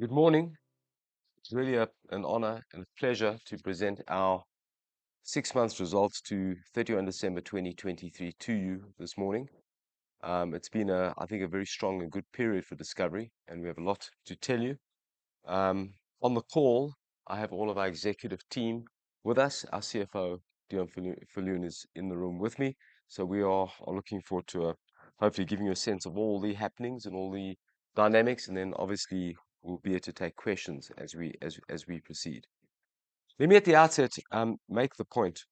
Good morning. It's really an honor and a pleasure to present our six months results to 31st December 2023, to you this morning. It's been a, I think, a very strong and good period for Discovery, and we have a lot to tell you. On the call, I have all of our executive team with us. Our CFO, Deon Viljoen, is in the room with me, so we are looking forward to hopefully giving you a sense of all the happenings and all the dynamics, and then obviously we'll be here to take questions as we proceed. Let me at the outset make the point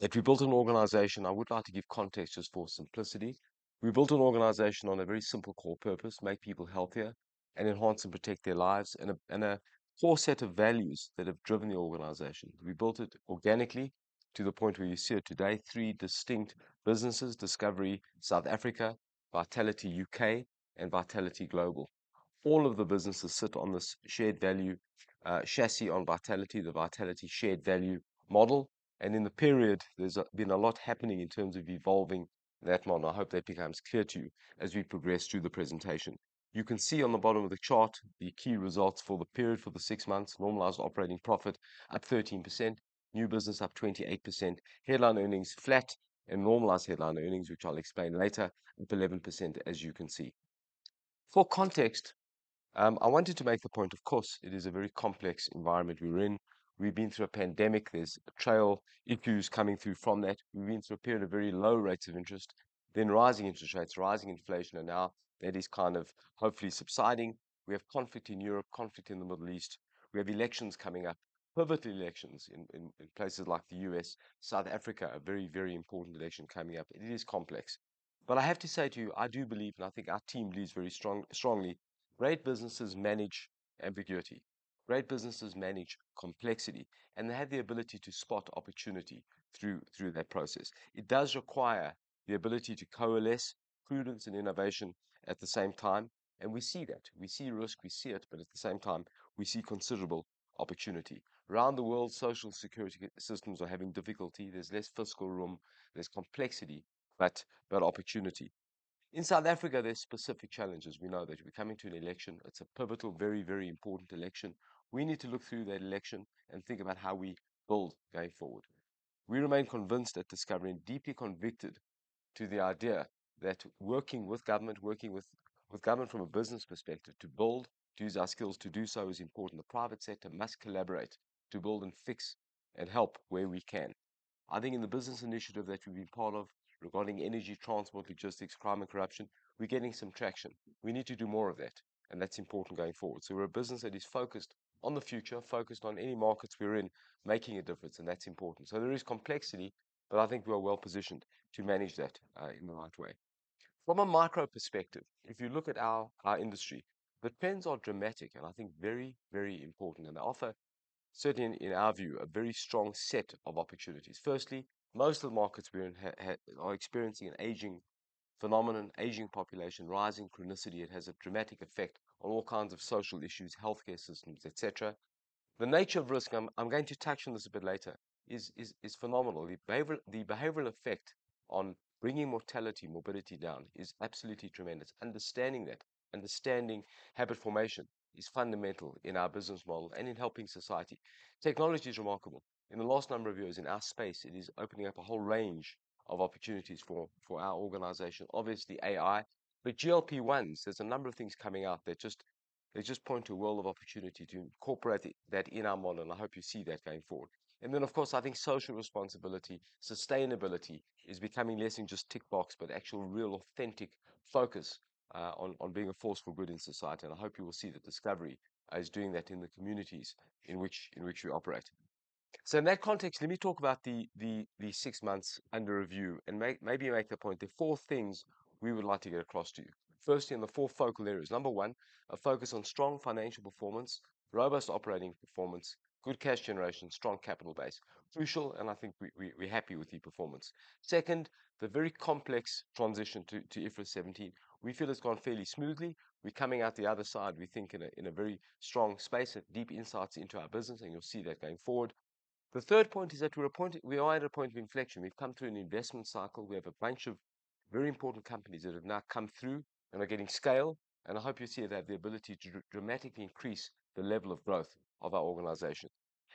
that we built an organization. I would like to give context just for simplicity. We built an organization on a very simple core purpose: make people healthier and enhance and protect their lives, and a core set of values that have driven the organization. We built it organically to the point where you see it today, three distinct businesses: Discovery South Africa, Vitality UK, and Vitality Global. All of the businesses sit on this shared value chassis on Vitality, the Vitality Shared Value model, and in the period, there's been a lot happening in terms of evolving that model. I hope that becomes clear to you as we progress through the presentation. You can see on the bottom of the chart the key results for the period for the six months: normalized operating profit, up 13%; new business, up 28%; headline earnings, flat; and normalized headline earnings, which I'll explain later, up 11%, as you can see. For context, I wanted to make the point, of course, it is a very complex environment we're in. We've been through a pandemic. There's tail issues coming through from that. We've been through a period of very low rates of interest, then rising interest rates, rising inflation, and now that is kind of hopefully subsiding. We have conflict in Europe, conflict in the Middle East. We have elections coming up, pivotal elections in places like the US. South Africa, a very, very important election coming up. It is complex. But I have to say to you, I do believe, and I think our team believes very strongly, great businesses manage ambiguity. Great businesses manage complexity, and they have the ability to spot opportunity through that process. It does require the ability to coalesce prudence and innovation at the same time, and we see that. We see risk, we see it, but at the same time, we see considerable opportunity. Around the world, social security systems are having difficulty. There's less fiscal room, there's complexity, but there are opportunity. In South Africa, there's specific challenges. We know that we're coming to an election. It's a pivotal, very, very important election. We need to look through that election and think about how we build going forward. We remain convinced at Discovery and deeply convicted to the idea that working with government, working with, with government from a business perspective to build, to use our skills to do so is important. The private sector must collaborate to build and fix and help where we can. I think in the business initiative that we've been part of regarding energy, transport, logistics, crime, and corruption, we're getting some traction. We need to do more of that, and that's important going forward. So we're a business that is focused on the future, focused on any markets we're in, making a difference, and that's important. So there is complexity, but I think we are well positioned to manage that in the right way. From a micro perspective, if you look at our industry, the trends are dramatic and I think very, very important, and they offer, certainly in our view, a very strong set of opportunities. Firstly, most of the markets we're in are experiencing an aging phenomenon, aging population, rising chronicity. It has a dramatic effect on all kinds of social issues, healthcare systems, et cetera. The nature of risk, I'm going to touch on this a bit later, is phenomenal. The behavioral effect on bringing mortality, morbidity down is absolutely tremendous. Understanding that, understanding habit formation is fundamental in our business model and in helping society. Technology is remarkable. In the last number of years in our space, it is opening up a whole range of opportunities for our organization. Obviously, AI, but GLP-1s, there's a number of things coming out that just point to a world of opportunity to incorporate that in our model, and I hope you see that going forward. And then, of course, I think social responsibility, sustainability is becoming less than just tick box, but actual, real, authentic focus on being a force for good in society. And I hope you will see that Discovery is doing that in the communities in which we operate. So in that context, let me talk about the six months under review and maybe make the point, the four things we would like to get across to you. Firstly, in the four focal areas. Number one, a focus on strong financial performance, robust operating performance, good cash generation, strong capital base. Crucial, and I think we're happy with the performance. Second, the very complex transition to IFRS 17. We feel it's gone fairly smoothly. We're coming out the other side, we think, in a very strong space with deep insights into our business, and you'll see that going forward. The third point is that we're at a point of inflection. We've come through an investment cycle. We have a bunch of very important companies that have now come through and are getting scale, and I hope you see they have the ability to dramatically increase the level of growth of our organization.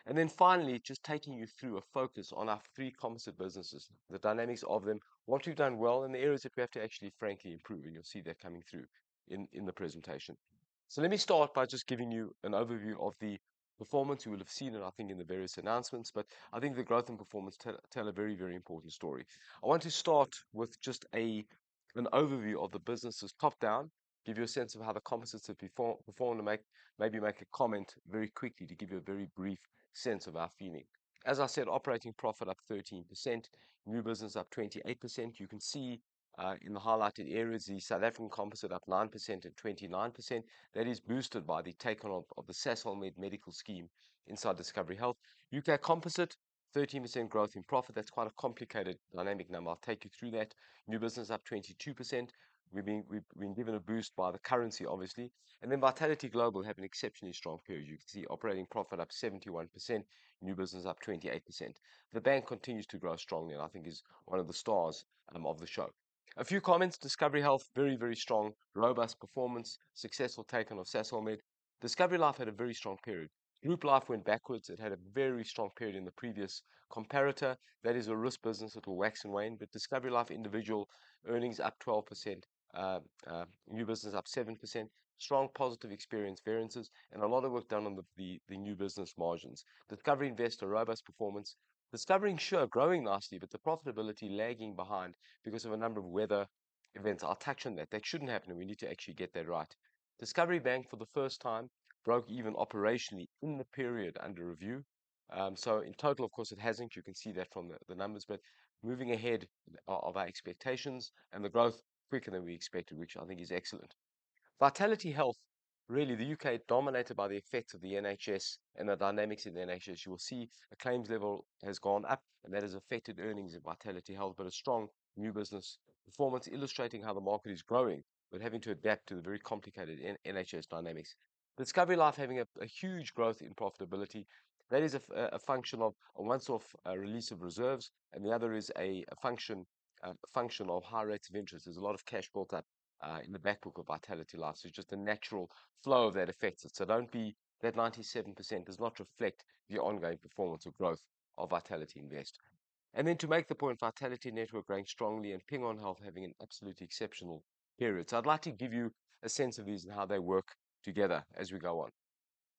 And then finally, just taking you through a focus on our three composite businesses, the dynamics of them, what we've done well, and the areas that we have to actually, frankly, improve, and you'll see that coming through in the presentation. So let me start by just giving you an overview of the performance. You will have seen it, I think, in the various announcements, but I think the growth and performance tell a very, very important story. I want to start with just an overview of the businesses top-down, give you a sense of how the composites have performed to make-... Maybe make a comment very quickly to give you a very brief sense of our feeling. As I said, operating profit up 13%, new business up 28%. You can see in the highlighted areas, the South African composite up 9% and 29%. That is boosted by the take-on of the Sasolmed medical scheme inside Discovery Health. UK composite, 13% growth in profit. That's quite a complicated dynamic number. I'll take you through that. New business up 22%. We've been given a boost by the currency, obviously, and then Vitality Global had an exceptionally strong period. You can see operating profit up 71%, new business up 28%. The bank continues to grow strongly, and I think is one of the stars of the show. A few comments: Discovery Health, very, very strong, robust performance, successful take on of Sasolmed. Discovery Life had a very strong period. Group Life went backwards. It had a very strong period in the previous comparator. That is a risk business that will wax and wane, but Discovery Life individual earnings up 12%. New business up 7%. Strong positive experience variances, and a lot of work done on the new business margins. Discovery Invest, a robust performance. Discovery Insure, growing nicely, but the profitability lagging behind because of a number of weather events. I'll touch on that. That shouldn't happen, and we need to actually get that right. Discovery Bank, for the first time, broke even operationally in the period under review. So in total, of course, it hasn't. You can see that from the, the numbers, but moving ahead of our expectations and the growth quicker than we expected, which I think is excellent. VitalityHealth, really, the UK dominated by the effects of the NHS and the dynamics in the NHS. You will see a claims level has gone up, and that has affected earnings in VitalityHealth, but a strong new business performance illustrating how the market is growing, but having to adapt to the very complicated NHS dynamics. Discovery Life having a huge growth in profitability. That is a function of a once-off release of reserves, and the other is a function of high rates of interest. There's a lot of cash built up in the back book of VitalityLife, so it's just a natural flow of that affects it. So don't be... That 97% does not reflect the ongoing performance or growth of VitalityInvest. Then to make the point, Vitality Network growing strongly and Ping An Health having an absolutely exceptional period. I'd like to give you a sense of these and how they work together as we go on.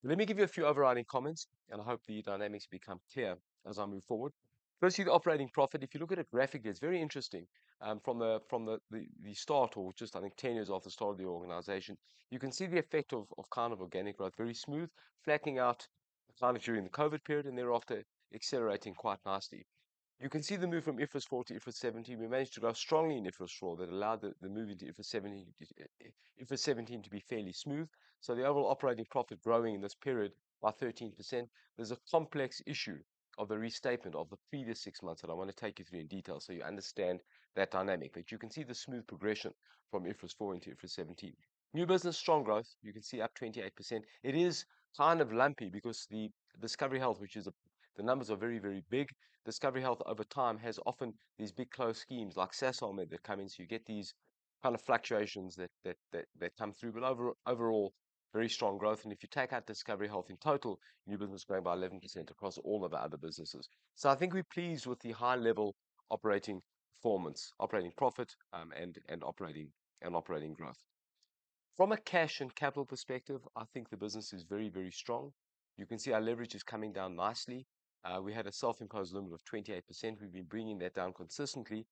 Let me give you a few overriding comments, and I hope the dynamics become clear as I move forward. Firstly, the operating profit. If you look at it graphically, it's very interesting. From the start, or just 10 years after the start of the organization, you can see the effect of kind of organic growth, very smooth, flattening out finally during the COVID period and thereafter accelerating quite nicely. You can see the move from IFRS 4-IFRS 17. We managed to grow strongly in IFRS 4. That allowed the move into IFRS 17 to be fairly smooth. So the overall operating profit growing in this period by 13%. There's a complex issue of the restatement of the previous six months that I wanna take you through in detail so you understand that dynamic. But you can see the smooth progression from IFRS 4 into IFRS 17. New business, strong growth. You can see up 28%. It is kind of lumpy because the Discovery Health, which is a... The numbers are very, very big. Discovery Health over time has often these big closed schemes like Sasolmed that come in, so you get these kind of fluctuations that come through, but overall, very strong growth. And if you take out Discovery Health in total, new business growing by 11% across all of our other businesses. So I think we're pleased with the high-level operating performance, operating profit, and operating growth. From a cash and capital perspective, I think the business is very, very strong. You can see our leverage is coming down nicely. We had a self-imposed limit of 28%. We've been bringing that down consistently.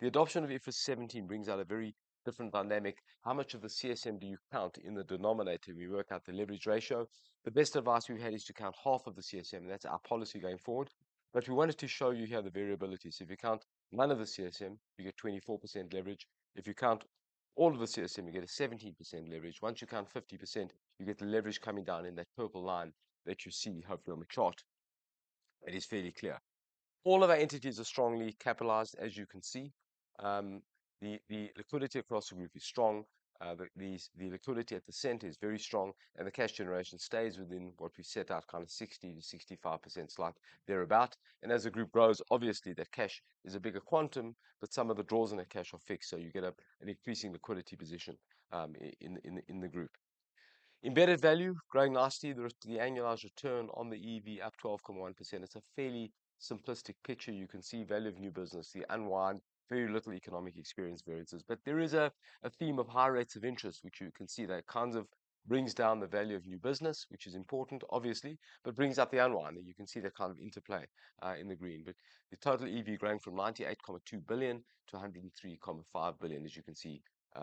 The adoption of IFRS 17 brings out a very different dynamic. How much of the CSM do you count in the denominator when we work out the leverage ratio? The best advice we've had is to count half of the CSM. That's our policy going forward. But we wanted to show you here the variabilities. If you count none of the CSM, you get 24% leverage. If you count all of the CSM, you get a 17% leverage. Once you count 50%, you get the leverage coming down in that purple line that you see, hopefully, on the chart. It is fairly clear. All of our entities are strongly capitalized, as you can see. The liquidity across the group is strong. The liquidity at the center is very strong, and the cash generation stays within what we set out, kind of 60%-65%, thereabout. As the group grows, obviously, that cash is a bigger quantum, but some of the draws on that cash are fixed, so you get an increasing liquidity position in the group. Embedded Value growing nicely. The annualized return on the EV up 12.1%. It's a fairly simplistic picture. You can see value of new business, the unwind, very little economic experience variances. But there is a theme of high rates of interest, which you can see there, kind of brings down the value of new business, which is important, obviously, but brings up the unwind. And you can see the kind of interplay in the green. But the total EV growing from 98.2 billion-103.5 billion, as you can see,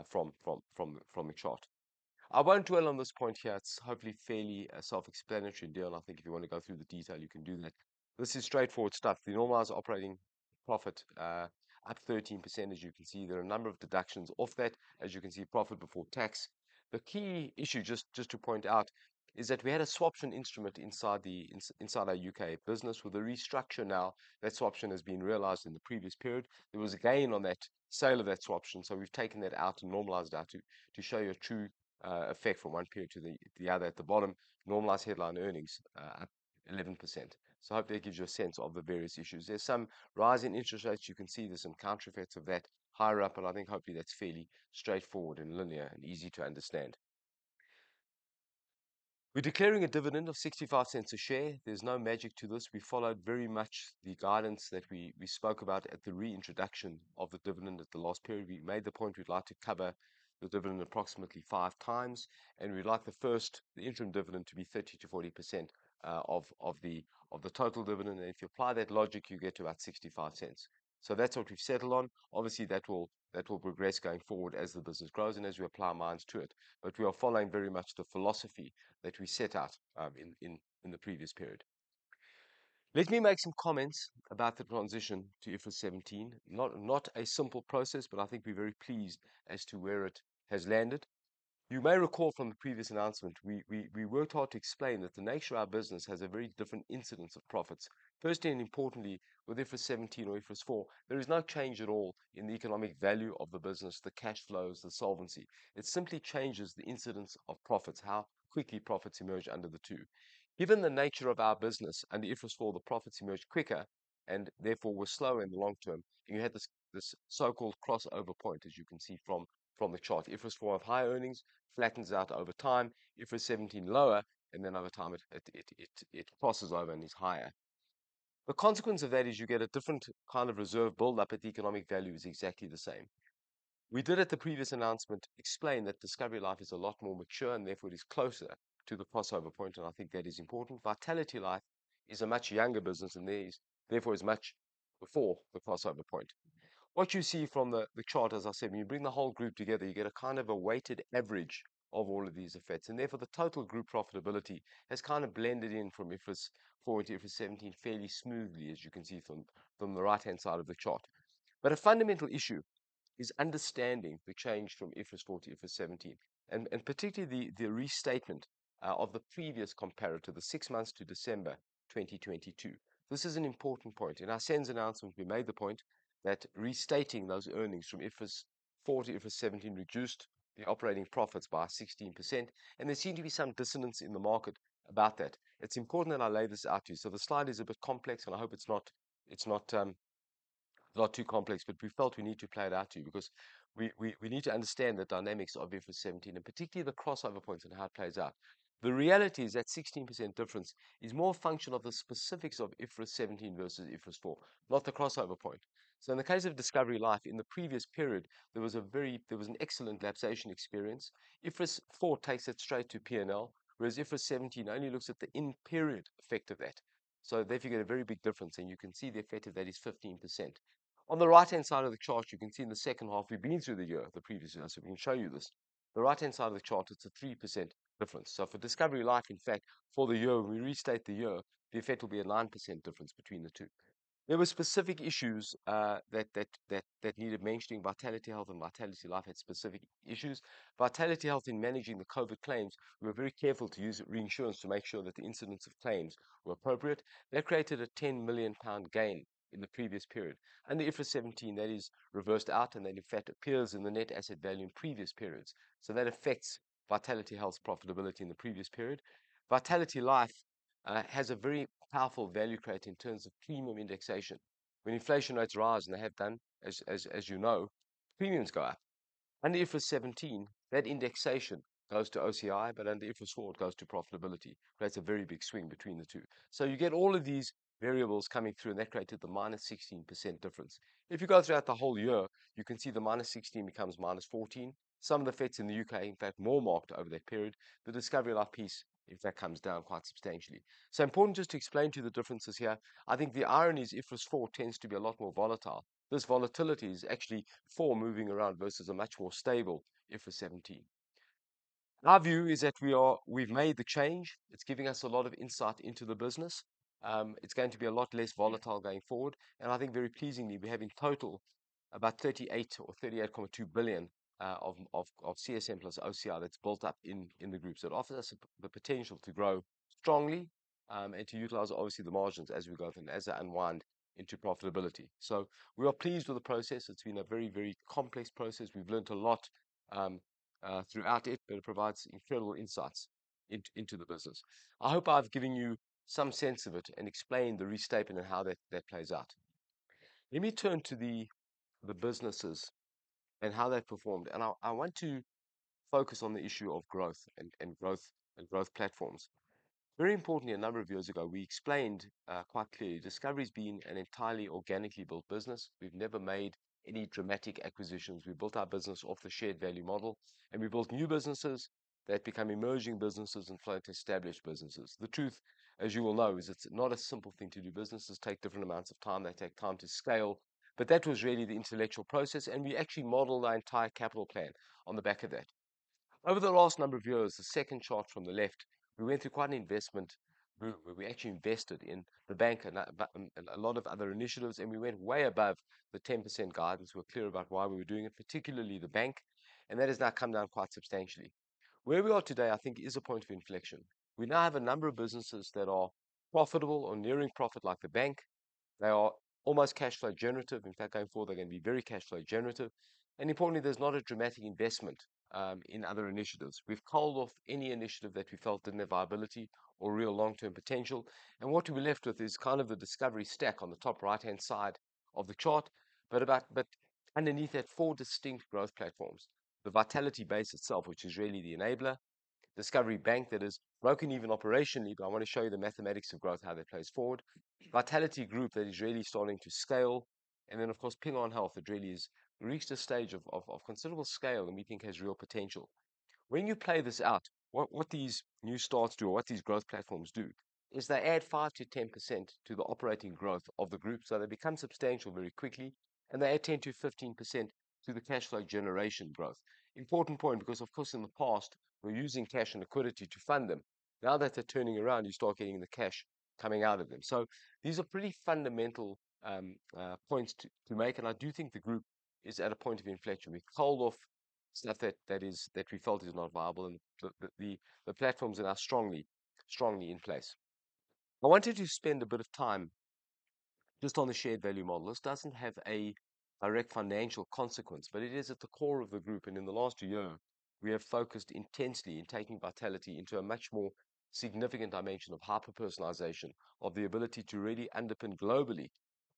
from the chart. I won't dwell on this point here. It's hopefully fairly self-explanatory. Deon, I think if you wanna go through the detail, you can do that. This is straightforward stuff. The normalized operating profit up 13%. As you can see, there are a number of deductions off that. As you can see, profit before tax. The key issue, just to point out, is that we had a swaption instrument inside our UK business. With the restructure now, that swaption has been realized in the previous period. There was a gain on that sale of that swaption, so we've taken that out and normalized that to show you a true effect from one period to the other. At the bottom, normalized headline earnings up 11%. So I hope that gives you a sense of the various issues. There's some rise in interest rates. You can see there's some counter effects of that higher up, and I think hopefully that's fairly straightforward and linear and easy to understand. We're declaring a dividend of 0.65 a share. There's no magic to this. We followed very much the guidance that we, we spoke about at the reintroduction of the dividend at the last period. We made the point we'd like to cover the dividend approximately five times, and we'd like the first, the interim dividend, to be 30%-40% of the total dividend. And if you apply that logic, you get to about 0.65. So that's what we've settled on. Obviously, that will progress going forward as the business grows and as we apply our minds to it. We are following very much the philosophy that we set out in the previous period. Let me make some comments about the transition to IFRS 17. Not a simple process, but I think we're very pleased as to where it has landed. You may recall from the previous announcement, we worked hard to explain that the nature of our business has a very different incidence of profits. Firstly, and importantly, with IFRS 17 or IFRS 4, there is no change at all in the economic value of the business, the cash flows, the solvency. It simply changes the incidence of profits, how quickly profits emerge under the two. Given the nature of our business, under IFRS 4, the profits emerged quicker and therefore were slower in the long term, and you had this so-called crossover point, as you can see from the chart. IFRS 4 have high earnings, flattens out over time. IFRS 17, lower, and then over time, it crosses over and is higher. The consequence of that is you get a different kind of reserve build up, but the economic value is exactly the same. We did at the previous announcement, explain that Discovery Life is a lot more mature and therefore is closer to the crossover point, and I think that is important. VitalityLife is a much younger business, and therefore is much before the crossover point. What you see from the chart, as I said, when you bring the whole group together, you get a kind of a weighted average of all of these effects, and therefore the total group profitability has kind of blended in from IFRS 4-IFRS 17 fairly smoothly, as you can see from the right-hand side of the chart. But a fundamental issue is understanding the change from IFRS 4-IFRS 17, and particularly the restatement of the previous comparator, the six months to December 2022. This is an important point. In our SENS announcement, we made the point that restating those earnings from IFRS 4-IFRS 17 reduced the operating profits by 16%, and there seemed to be some dissonance in the market about that. It's important that I lay this out to you. So the slide is a bit complex, and I hope it's not too complex, but we felt we need to play it out to you because we need to understand the dynamics of IFRS 17, and particularly the crossover points and how it plays out. The reality is that 16% difference is more a function of the specifics of IFRS 17 versus IFRS 4, not the crossover point. So in the case of Discovery Life, in the previous period, there was an excellent lapsation experience. IFRS 4 takes it straight to P&L, whereas IFRS 17 only looks at the in-period effect of that. So therefore, you get a very big difference, and you can see the effect of that is 15%. On the right-hand side of the chart, you can see in the second half, we've been through the year, the previous year, so we can show you this. The right-hand side of the chart, it's a 3% difference. So for Discovery Life, in fact, for the year, we restatement the year, the effect will be a 9% difference between the two. There were specific issues, that needed mentioning. VitalityHealth and VitalityLife had specific issues. VitalityHealth, in managing the COVID claims, we were very careful to use reinsurance to make sure that the incidence of claims were appropriate. That created a 10 million pound gain in the previous period. Under IFRS 17, that is reversed out, and that in fact appears in the net asset value in previous periods. So that affects VitalityHealth's profitability in the previous period. VitalityLife has a very powerful value creator in terms of premium indexation. When inflation rates rise, and they have done, as you know, premiums go up. Under IFRS 17, that indexation goes to OCI, but under IFRS 4, it goes to profitability. Creates a very big swing between the two. So you get all of these variables coming through, and that created the -16% difference. If you go throughout the whole year, you can see the -16 becomes -14. Some of the effects in the UK are, in fact, more marked over that period. The Discovery Life piece, in fact, comes down quite substantially. So important just to explain to you the differences here. I think the irony is IFRS 4 tends to be a lot more volatile. This volatility is actually four moving around versus a much more stable IFRS 17. Our view is that we are-- we've made the change. It's giving us a lot of insight into the business. It's going to be a lot less volatile going forward. I think very pleasingly, we have in total about 38 or 38.2 billion of CSM plus OCI that's built up in the group. So it offers us the potential to grow strongly, and to utilize obviously the margins as we go through and as they unwind into profitability. So we are pleased with the process. It's been a very, very complex process. We've learned a lot throughout it, but it provides incredible insights into the business. I hope I've given you some sense of it and explained the restatement and how that plays out. Let me turn to the businesses and how they performed, and I want to focus on the issue of growth and growth platforms. Very importantly, a number of years ago, we explained quite clearly, Discovery's been an entirely organically built business. We've never made any dramatic acquisitions. We built our business off the shared value model, and we built new businesses that become emerging businesses and flow to established businesses. The truth, as you will know, is it's not a simple thing to do. Businesses take different amounts of time. They take time to scale. But that was really the intellectual process, and we actually modeled our entire capital plan on the back of that. Over the last number of years, the second chart from the left, we went through quite an investment boom, where we actually invested in the bank and a lot of other initiatives, and we went way above the 10% guidance. We're clear about why we were doing it, particularly the bank, and that has now come down quite substantially. Where we are today, I think, is a point of inflection. We now have a number of businesses that are profitable or nearing profit, like the bank. They are almost cash flow generative. In fact, going forward, they're gonna be very cash flow generative. And importantly, there's not a dramatic investment in other initiatives. We've culled off any initiative that we felt didn't have viability or real long-term potential, and what we're left with is kind of the Discovery stack on the top right-hand side of the chart. But underneath that, four distinct growth platforms. The Vitality base itself, which is really the enabler. Discovery Bank, that has broken even operationally, but I want to show you the mathematics of growth, how that plays forward. Vitality Group, that is really starting to scale. And then, of course, Ping An Health, that really has reached a stage of considerable scale, and we think has real potential. When you play this out, what these new starts do or what these growth platforms do, is they add 5%-10% to the operating growth of the group. So they become substantial very quickly, and they add 10%-15% to the cash flow generation growth. Important point, because of course, in the past, we're using cash and liquidity to fund them. Now that they're turning around, you start getting the cash coming out of them. So these are pretty fundamental points to make, and I do think the group is at a point of inflection. We've sold off stuff that we felt is not viable, and the platforms that are strongly, strongly in place. I wanted to spend a bit of time just on the shared value model. This doesn't have a direct financial consequence, but it is at the core of the group, and in the last year, we have focused intensely in taking Vitality into a much more significant dimension of hyper-personalization, of the ability to really underpin globally,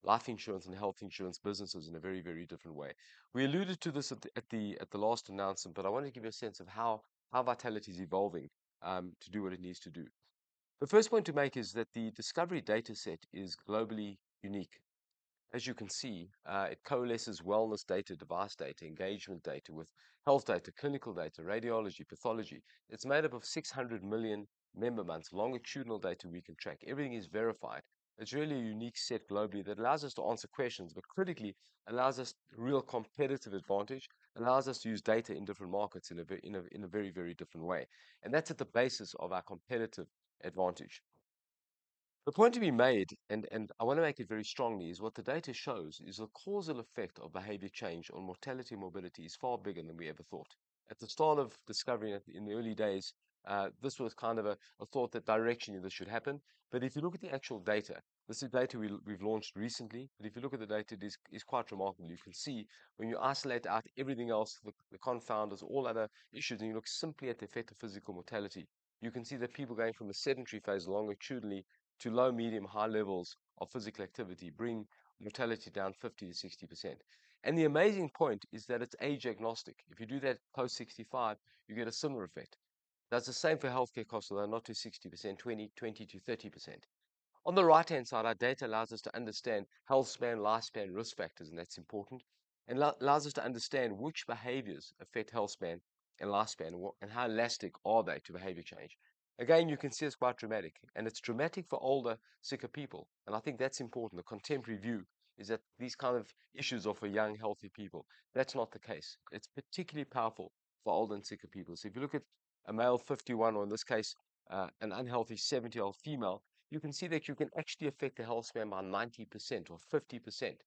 life insurance and health insurance businesses in a very, very different way. We alluded to this at the last announcement, but I wanted to give you a sense of how Vitality is evolving to do what it needs to do. The first point to make is that the Discovery data set is globally unique. As you can see, it coalesces wellness data, device data, engagement data with health data, clinical data, radiology, pathology. It's made up of 600 million member months, longitudinal data we can track. Everything is verified. It's really a unique set globally that allows us to answer questions, but critically allows us real competitive advantage, allows us to use data in different markets in a very, in a very, very different way. And that's at the basis of our competitive advantage. The point to be made, and I want to make it very strongly, is what the data shows is the causal effect of behavior change on mortality and morbidity is far bigger than we ever thought. At the start of Discovery, in the early days, this was kind of a thought that directionally this should happen. But if you look at the actual data, this is data we, we've launched recently, but if you look at the data, this is quite remarkable. You can see when you isolate out everything else, the confounders, all other issues, and you look simply at the effect of physical mortality, you can see that people going from a sedentary phase longitudinally to low, medium, high levels of physical activity bring mortality down 50%-60%. And the amazing point is that it's age agnostic. If you do that post 65, you get a similar effect. That's the same for healthcare costs, although not to 60%, 20%-30%. On the right-hand side, our data allows us to understand health span, lifespan, risk factors, and that's important. And allow, allows us to understand which behaviors affect health span and lifespan, what-- and how elastic are they to behavior change. Again, you can see it's quite dramatic, and it's dramatic for older, sicker people, and I think that's important. The contemporary view is that these kind of issues are for young, healthy people. That's not the case. It's particularly powerful for older and sicker people. So if you look at a male, 51, or in this case, an unhealthy 70-year-old female, you can see that you can actually affect the health span by 90% or 50%.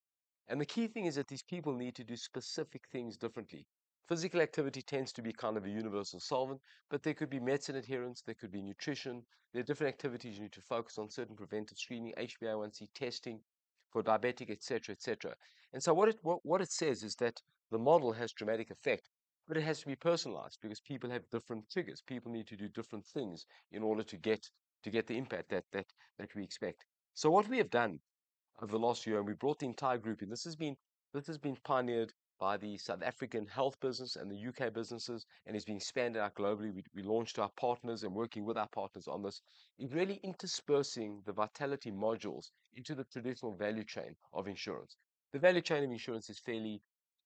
And the key thing is that these people need to do specific things differently. Physical activity tends to be kind of a universal solvent, but there could be medicine adherence, there could be nutrition. There are different activities you need to focus on, certain preventive screening, HIV, A1C testing for diabetic, et cetera, et cetera. So what it says is that the model has dramatic effect, but it has to be personalized because people have different triggers. People need to do different things in order to get the impact that we expect. So what we have done over the last year, and we brought the entire group in, this has been pioneered by the South African health business and the UK businesses, and it's being expanded out globally. We launched our partners and working with our partners on this, is really interspersing the Vitality modules into the traditional value chain of insurance. The value chain of insurance is fairly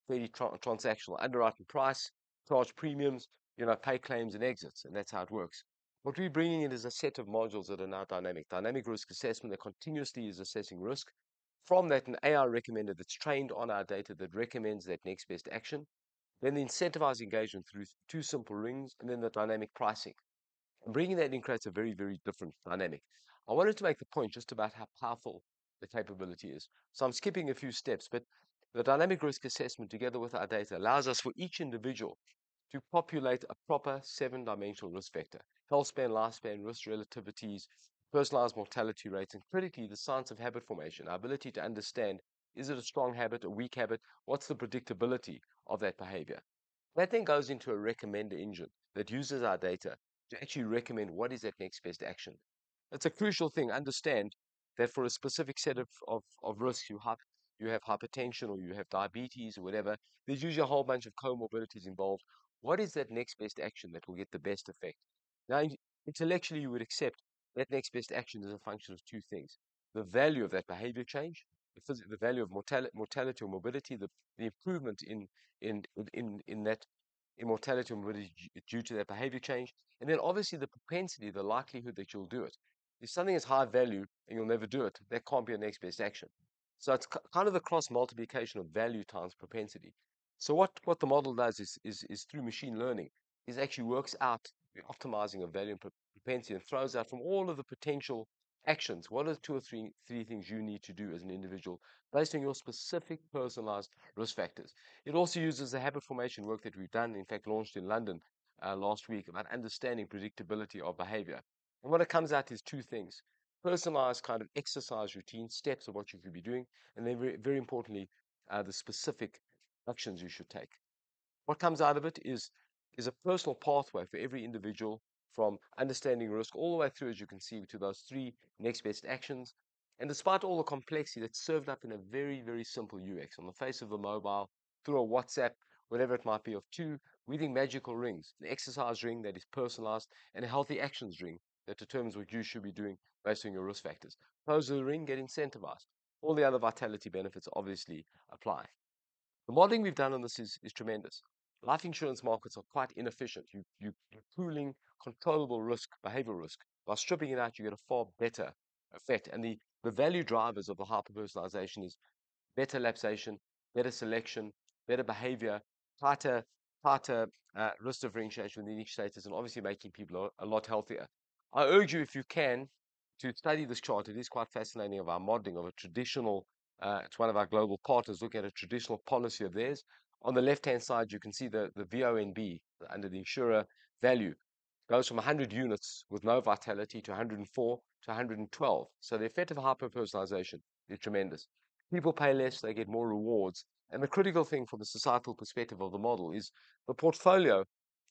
transactional, underwrite and price, charge premiums, you know, pay claims and exits, and that's how it works. What we're bringing in is a set of modules that are now dynamic. Dynamic risk assessment that continuously is assessing risk. From that, an AI recommender that's trained on our data, that recommends that next best action, then the incentivized engagement through two simple rings, and then the dynamic pricing. Bringing that in creates a very, very different dynamic. I wanted to make the point just about how powerful the capability is. So I'm skipping a few steps, but the dynamic risk assessment, together with our data, allows us for each individual to populate a proper seven-dimensional risk factor: health span, lifespan, risk relativities, personalized mortality rates, and critically, the science of habit formation, our ability to understand, is it a strong habit, a weak habit? What's the predictability of that behavior? That then goes into a recommender engine that uses our data to actually recommend what is that next best action. It's a crucial thing. Understand that for a specific set of risks, you have hypertension, or you have diabetes or whatever, there's usually a whole bunch of comorbidities involved. What is that next best action that will get the best effect? Now, intellectually, you would accept that next best action is a function of two things: the value of that behavior change, the value of mortality or morbidity, the improvement in mortality and morbidity due to that behavior change, and then obviously, the propensity, the likelihood that you'll do it. If something is high value and you'll never do it, that can't be your next best action. So it's kind of a cross-multiplication of value times propensity. So what the model does is, through machine learning, actually works out the optimizing of value and propensity and throws out from all of the potential actions, what are the two or three things you need to do as an individual, based on your specific personalized risk factors? It also uses the habit formation work that we've done, in fact, launched in London, last week, about understanding predictability of behavior. And what it comes out is two things: personalized kind of exercise routine, steps of what you should be doing, and then very, very importantly, the specific actions you should take. What comes out of it is, is a personal pathway for every individual from understanding risk all the way through, as you can see, to those three next best actions. And despite all the complexity, that's served up in a very, very simple UX, on the face of a mobile, through a WhatsApp, whatever it might be, of two weaving magical rings, the exercise ring that is personalized, and a healthy actions ring that determines what you should be doing based on your risk factors. Close the ring, get incentivized. All the other Vitality benefits obviously apply. The modeling we've done on this is tremendous. Life insurance markets are quite inefficient. You're pooling controllable risk, behavioral risk. By stripping it out, you get a far better effect, and the value drivers of the hyper-personalization is better lapsation, better selection, better behavior, tighter risk differentiation with the initiators, and obviously making people a lot healthier. I urge you, if you can, to study this chart. It is quite fascinating of our modeling of a traditional. It's one of our global partners. Look at a traditional policy of theirs. On the left-hand side, you can see the VNB under the insurer value. Goes from 100 units with no Vitality to 104 to 112. So the effect of hyper-personalization is tremendous. People pay less, they get more rewards, and the critical thing from the societal perspective of the model is the portfolio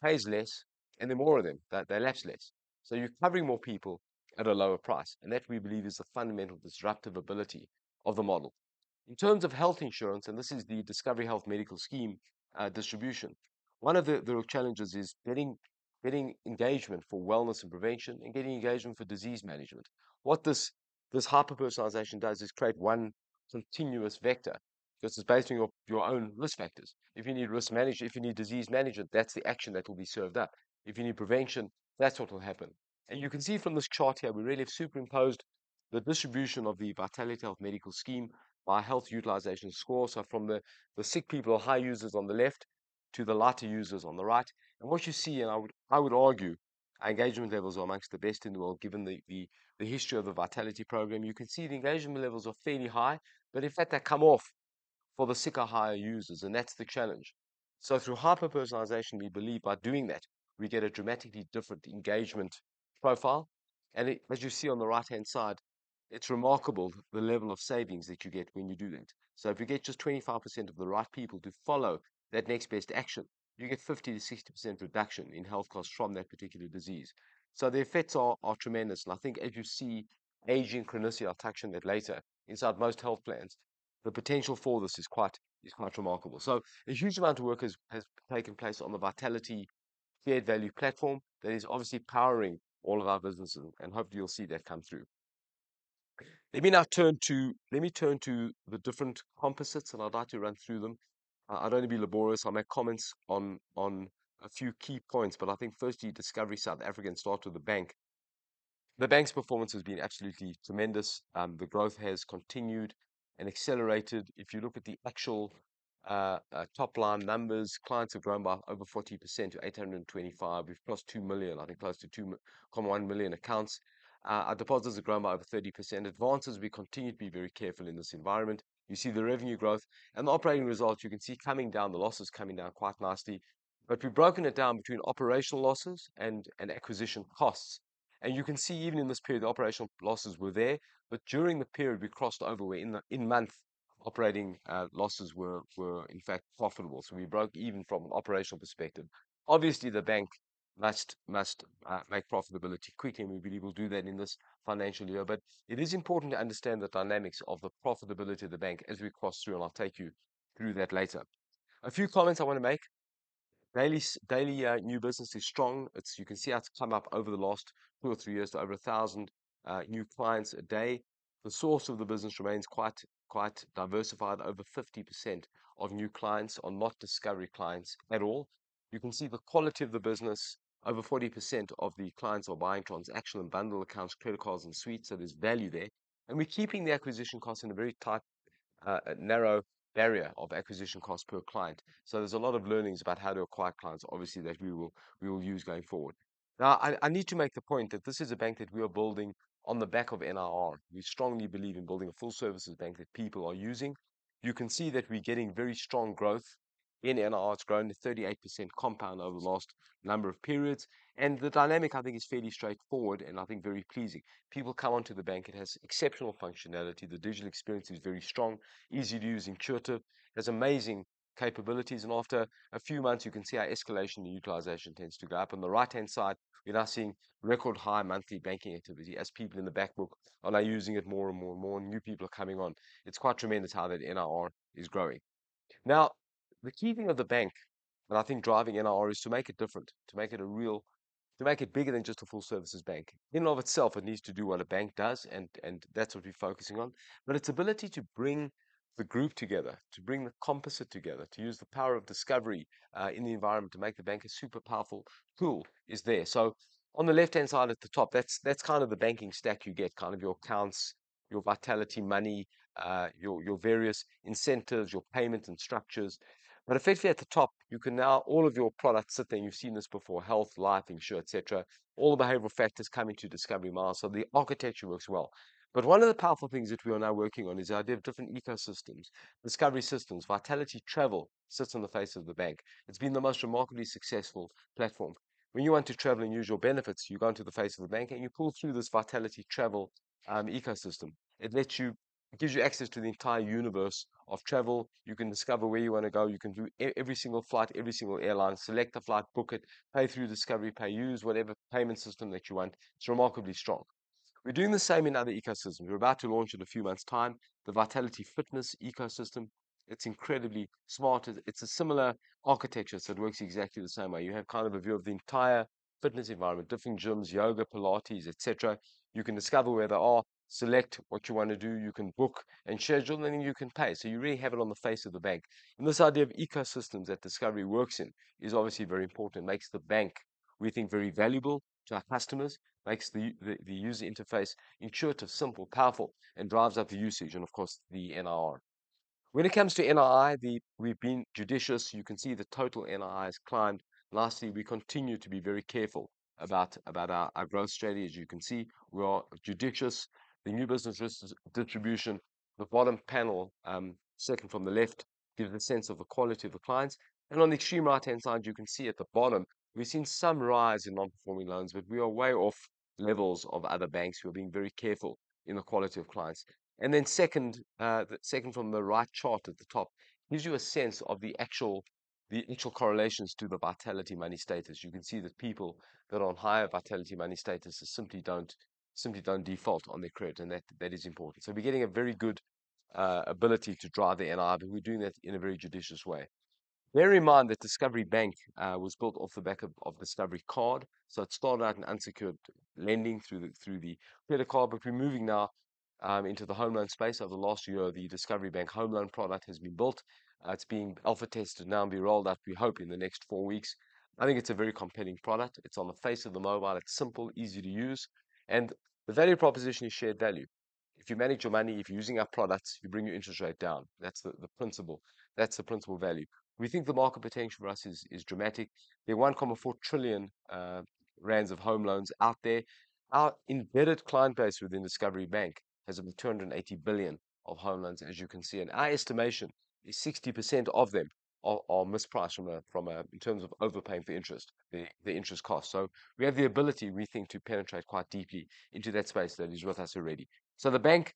pays less, and there are more of them. They lapse less. So you're covering more people at a lower price, and that, we believe, is the fundamental disruptive ability of the model. In terms of health insurance, this is the Discovery Health Medical Scheme distribution, one of the challenges is getting engagement for wellness and prevention and getting engagement for disease management. What this hyper-personalization does is create one continuous vector. This is based on your own risk factors. If you need disease management, that's the action that will be served up. If you need prevention, that's what will happen. You can see from this chart here, we really have superimposed the distribution of the Discovery Health Medical Scheme by health utilization score. So from the sick people or high users on the left to the lighter users on the right. What you see, I would argue, our engagement levels are among the best in the world, given the history of the Vitality program. You can see the engagement levels are fairly high, but in fact, they come off for the sicker, higher users, and that's the challenge. So through hyper-personalization, we believe by doing that, we get a dramatically different engagement profile. As you see on the right-hand side, it's remarkable the level of savings that you get when you do that. So if you get just 25% of the right people to follow that next best action, you get 50%-60% reduction in health costs from that particular disease. So the effects are, are tremendous, and I think as you see, aging chronicity, I'll touch on that later, inside most health plans, the potential for this is quite, is quite remarkable. So a huge amount of work has, has taken place on the Vitality Shared Value platform that is obviously powering all of our businesses, and hopefully, you'll see that come through. Let me now turn to, let me turn to the different composites, and I'd like to run through them. I don't want to be laborious. I'll make comments on, on a few key points, but I think firstly, Discovery South Africa, and start with the bank. The bank's performance has been absolutely tremendous. The growth has continued and accelerated. If you look at the actual top-line numbers, clients have grown by over 40% to 825. We've +2 million, I think close to 2.1 million accounts. Our deposits have grown by over 30%. Advances, we continue to be very careful in this environment. You see the revenue growth and the operating results, you can see coming down, the losses coming down quite nicely. But we've broken it down between operational losses and acquisition costs. You can see even in this period, the operational losses were there, but during the period, we crossed over, we're in the in-month operating losses were in fact profitable. So we broke even from an operational perspective. Obviously, the bank must make profitability quickly, and we believe we'll do that in this financial year. But it is important to understand the dynamics of the profitability of the bank as we cross through, and I'll take you through that later. A few comments I want to make. Daily new business is strong. It's, you can see how it's climbed up over the last two or three years to over 1,000 new clients a day. The source of the business remains quite diversified. Over 50% of new clients are not Discovery clients at all. You can see the quality of the business. Over 40% of the clients are buying transactional and bundle accounts, credit cards, and suites, so there's value there. And we're keeping the acquisition costs in a very tight narrow area of acquisition costs per client. So there's a lot of learnings about how to acquire clients, obviously, that we will, we will use going forward. Now, I, I need to make the point that this is a bank that we are building on the back of NIR. We strongly believe in building a full services bank that people are using. You can see that we're getting very strong growth in NIR. It's grown to 38% compound over the last number of periods, and the dynamic, I think, is fairly straightforward and I think very pleasing. People come onto the bank, it has exceptional functionality. The digital experience is very strong, easy to use, intuitive, has amazing capabilities, and after a few months, you can see how escalation and utilization tends to go up. On the right-hand side, we're now seeing record-high monthly banking activity as people in the back book are now using it more and more and more, and new people are coming on. It's quite tremendous how that NIR is growing. Now, the key thing of the bank, and I think driving NIR, is to make it different, to make it a real bank, to make it bigger than just a full-service bank. In and of itself, it needs to do what a bank does, and, and that's what we're focusing on. But its ability to bring the group together, to bring the composite together, to use the power of Discovery, in the environment, to make the bank a super powerful tool is there. So on the left-hand side at the top, that's, that's kind of the banking stack you get, kind of your accounts, your Vitality Money, your, your various incentives, your payment and structures. But effectively, at the top, you can now... All of your products sit there, and you've seen this before, health, life insurance, et cetera. All the behavioral factors come into Discovery Miles, so the architecture works well. But one of the powerful things that we are now working on is the idea of different ecosystems. Discovery Ecosystems, Vitality Travel, sits on the face of the bank. It's been the most remarkably successful platform. When you want to travel and use your benefits, you go onto the face of the bank, and you pull through this Vitality Travel ecosystem. It lets you, it gives you access to the entire universe of travel. You can discover where you wanna go. You can do every single flight, every single airline, select a flight, book it, pay through Discovery, pay, use whatever payment system that you want. It's remarkably strong. We're doing the same in other ecosystems. We're about to launch in a few months' time, the Vitality Fitness ecosystem. It's incredibly smart. It's a similar architecture, so it works exactly the same way. You have kind of a view of the entire fitness environment, different gyms, yoga, Pilates, et cetera. You can discover where they are, select what you want to do, you can book and schedule, and then you can pay. So you really have it on the face of the bank. This idea of ecosystems that Discovery works in is obviously very important. It makes the bank-... We think very valuable to our customers, makes the user interface intuitive, simple, powerful, and drives up the usage and, of course, the NII. When it comes to NII, we've been judicious. You can see the total NII has climbed. Lastly, we continue to be very careful about our growth strategy. As you can see, we are judicious. The new business risk distribution, the bottom panel, second from the left, gives a sense of the quality of the clients. And on the extreme right-hand side, you can see at the bottom, we've seen some rise in non-performing loans, but we are way off levels of other banks. We're being very careful in the quality of clients. And then, the second from the right chart at the top, gives you a sense of the actual correlations to the Vitality Money status. You can see that people that are on higher Vitality Money statuses simply don't, simply don't default on their credit, and that, that is important. So we're getting a very good ability to drive the NII, but we're doing that in a very judicious way. Bear in mind that Discovery Bank was built off the back of Discovery Card, so it started out in unsecured lending through the credit card. But we're moving now into the home loan space. Over the last year, the Discovery Bank home loan product has been built. It's being alpha tested now and be rolled out, we hope, in the next four weeks. I think it's a very compelling product. It's on the face of the mobile. It's simple, easy to use, and the value proposition is shared value. If you manage your money, if you're using our products, we bring your interest rate down. That's the, the principle. That's the principle value. We think the market potential for us is, is dramatic. There are 1.4 trillion rands of home loans out there. Our embedded client base within Discovery Bank has over 280 billion of home loans, as you can see. And our estimation is 60% of them are, are mispriced from a, from a... in terms of overpaying for interest, the, the interest cost. So we have the ability, we think, to penetrate quite deeply into that space that is with us already. So the bank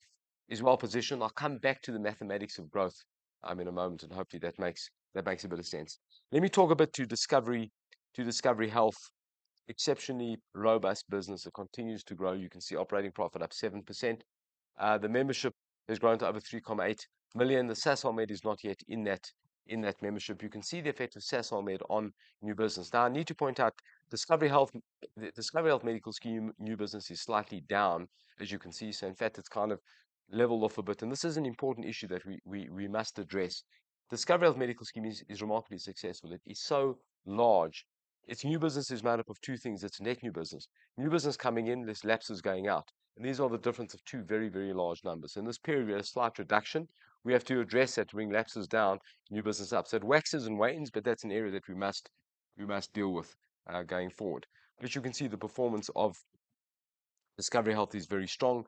is well positioned. I'll come back to the mathematics of growth, in a moment, and hopefully that makes, that makes a bit of sense. Let me talk a bit to Discovery, to Discovery Health. Exceptionally robust business that continues to grow. You can see operating profit up 7%. The membership has grown to over 3.8 million. The Sasolmed is not yet in that membership. You can see the effect of Sasolmed on new business. Now, I need to point out, Discovery Health, the Discovery Health Medical Scheme, new business is slightly down, as you can see. In fact, it's kind of leveled off a bit, and this is an important issue that we must address. Discovery Health Medical Scheme is remarkably successful. It is so large. Its new business is made up of two things. It's net new business, new business coming in, there's lapses going out, and these are the difference of two very, very large numbers. In this period, we had a slight reduction. We have to address that, to bring lapses down, new business up. So it waxes and wanes, but that's an area that we must, we must deal with going forward. But you can see the performance of Discovery Health is very strong.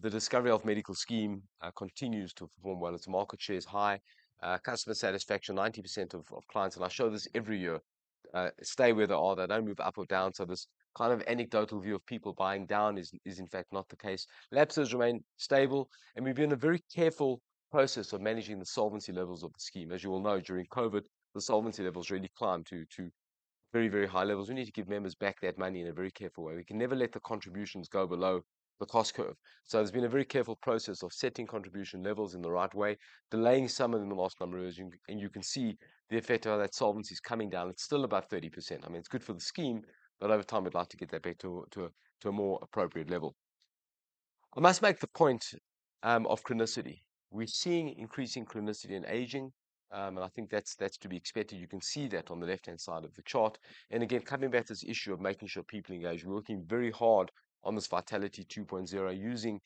The Discovery Health Medical Scheme continues to perform well. Its market share is high. Customer satisfaction, 90% of clients, and I show this every year, stay where they are. They don't move up or down. So this kind of anecdotal view of people buying down is in fact not the case. Lapses remain stable, and we've been in a very careful process of managing the solvency levels of the scheme. As you all know, during COVID, the solvency levels really climbed to very, very high levels. We need to give members back that money in a very careful way. We can never let the contributions go below the cost curve. So there's been a very careful process of setting contribution levels in the right way, delaying some of them in the last number of years, and you can see the effect of how that solvency is coming down. It's still about 30%. I mean, it's good for the scheme, but over time, we'd like to get that back to a more appropriate level. I must make the point of chronicity. We're seeing increasing chronicity in aging, and I think that's to be expected. You can see that on the left-hand side of the chart. And again, coming back to this issue of making sure people engage, we're working very hard on this Vitality 2.0, using...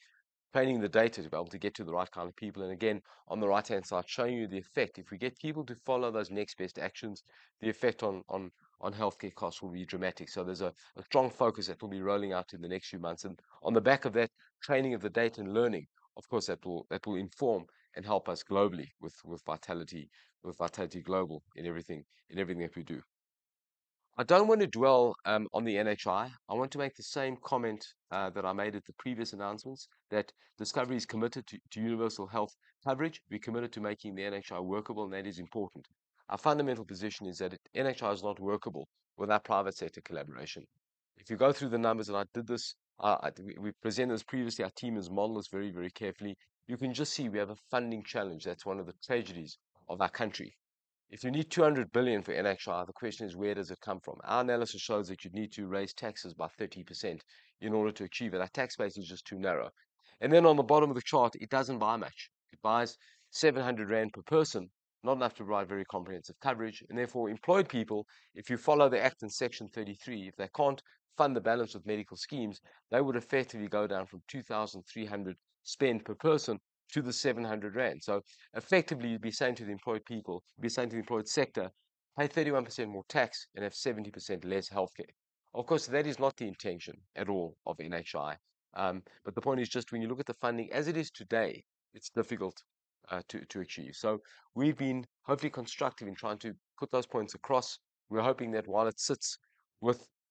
training the data to be able to get to the right kind of people. Again, on the right-hand side, showing you the effect. If we get people to follow those next best actions, the effect on healthcare costs will be dramatic. So there's a strong focus that we'll be rolling out in the next few months. And on the back of that, training of the data and learning, of course, that will inform and help us globally with Vitality, with Vitality Global, in everything that we do. I don't want to dwell on the NHI. I want to make the same comment that I made at the previous announcements, that Discovery is committed to universal health coverage. We're committed to making the NHI workable, and that is important. Our fundamental position is that NHI is not workable without private sector collaboration. If you go through the numbers, and I did this, We presented this previously, our team has modeled this very, very carefully. You can just see we have a funding challenge. That's one of the tragedies of our country. If you need 200 billion for NHI, the question is, where does it come from? Our analysis shows that you'd need to raise taxes by 30% in order to achieve it. Our tax base is just too narrow. And then on the bottom of the chart, it doesn't buy much. It buys 700 rand per person, not enough to provide very comprehensive coverage, and therefore, employed people, if you follow the act in Section 33, if they can't fund the balance with medical schemes, they would effectively go down from 2,300 spend per person to the 700 rand. So effectively, you'd be saying to the employed people, you'd be saying to the employed sector, "Pay 31% more tax and have 70% less healthcare." Of course, that is not the intention at all of NHI. But the point is just when you look at the funding as it is today, it's difficult to achieve. So we've been hopefully constructive in trying to put those points across. We're hoping that while it sits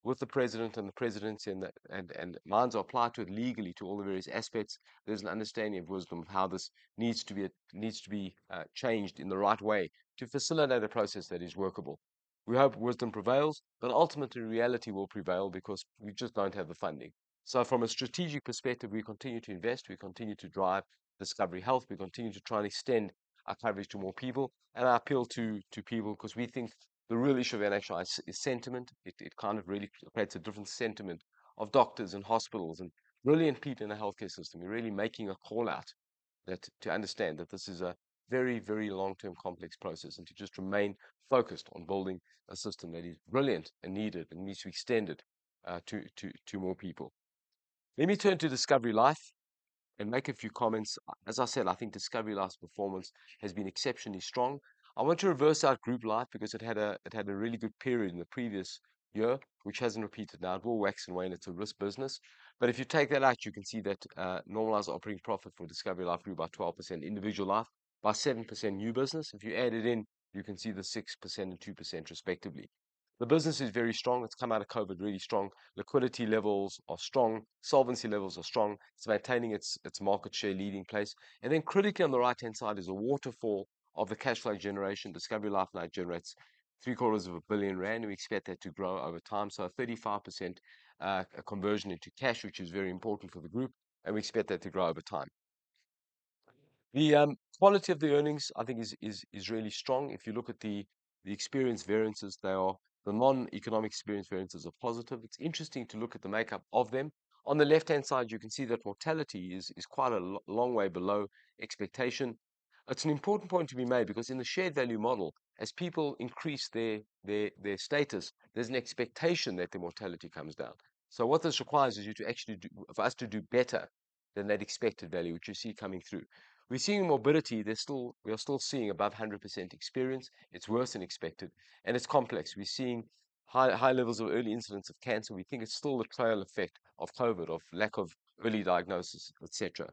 with the president and the presidency, and minds are applied to it legally, to all the various aspects, there's an understanding of wisdom of how this needs to be, needs to be, changed in the right way to facilitate a process that is workable. We hope wisdom prevails, but ultimately, reality will prevail because we just don't have the funding. So from a strategic perspective, we continue to invest, we continue to drive Discovery Health, we continue to try and extend our coverage to more people. And I appeal to people because we think the real issue of NHI is sentiment. It kind of really creates a different sentiment of doctors and hospitals and really in people in the healthcare system. We're really making a call out that to understand that this is a very, very long-term complex process, and to just remain focused on building a system that is brilliant and needed and needs to be extended to more people. Let me turn to Discovery Life and make a few comments. As I said, I think Discovery Life's performance has been exceptionally strong. I want to reverse out Group Life because it had a, it had a really good period in the previous year, which hasn't repeated. Now, it will wax and wane. It's a risk business. But if you take that out, you can see that normalized operating profit for Discovery Life grew by 12%, Individual Life by 7% new business. If you add it in, you can see the 6% and 2% respectively. The business is very strong. It's come out of COVID really strong. Liquidity levels are strong, solvency levels are strong. It's maintaining its market share leading place. And then critically, on the right-hand side is a waterfall of the cash flow generation. Discovery Life now generates 750 million, and we expect that to grow over time. So a 35% conversion into cash, which is very important for the group, and we expect that to grow over time. The quality of the earnings, I think, is really strong. If you look at the experience variances, they are... The non-economic experience variances are positive. It's interesting to look at the makeup of them. On the left-hand side, you can see that mortality is quite a long way below expectation. It's an important point to be made because in the shared value model, as people increase their status, there's an expectation that the mortality comes down. So what this requires is for us to do better than that expected value, which you see coming through. We're seeing morbidity. We are still seeing above 100% experience. It's worse than expected, and it's complex. We're seeing high, high levels of early incidence of cancer. We think it's still the trail effect of COVID, of lack of early diagnosis, et cetera.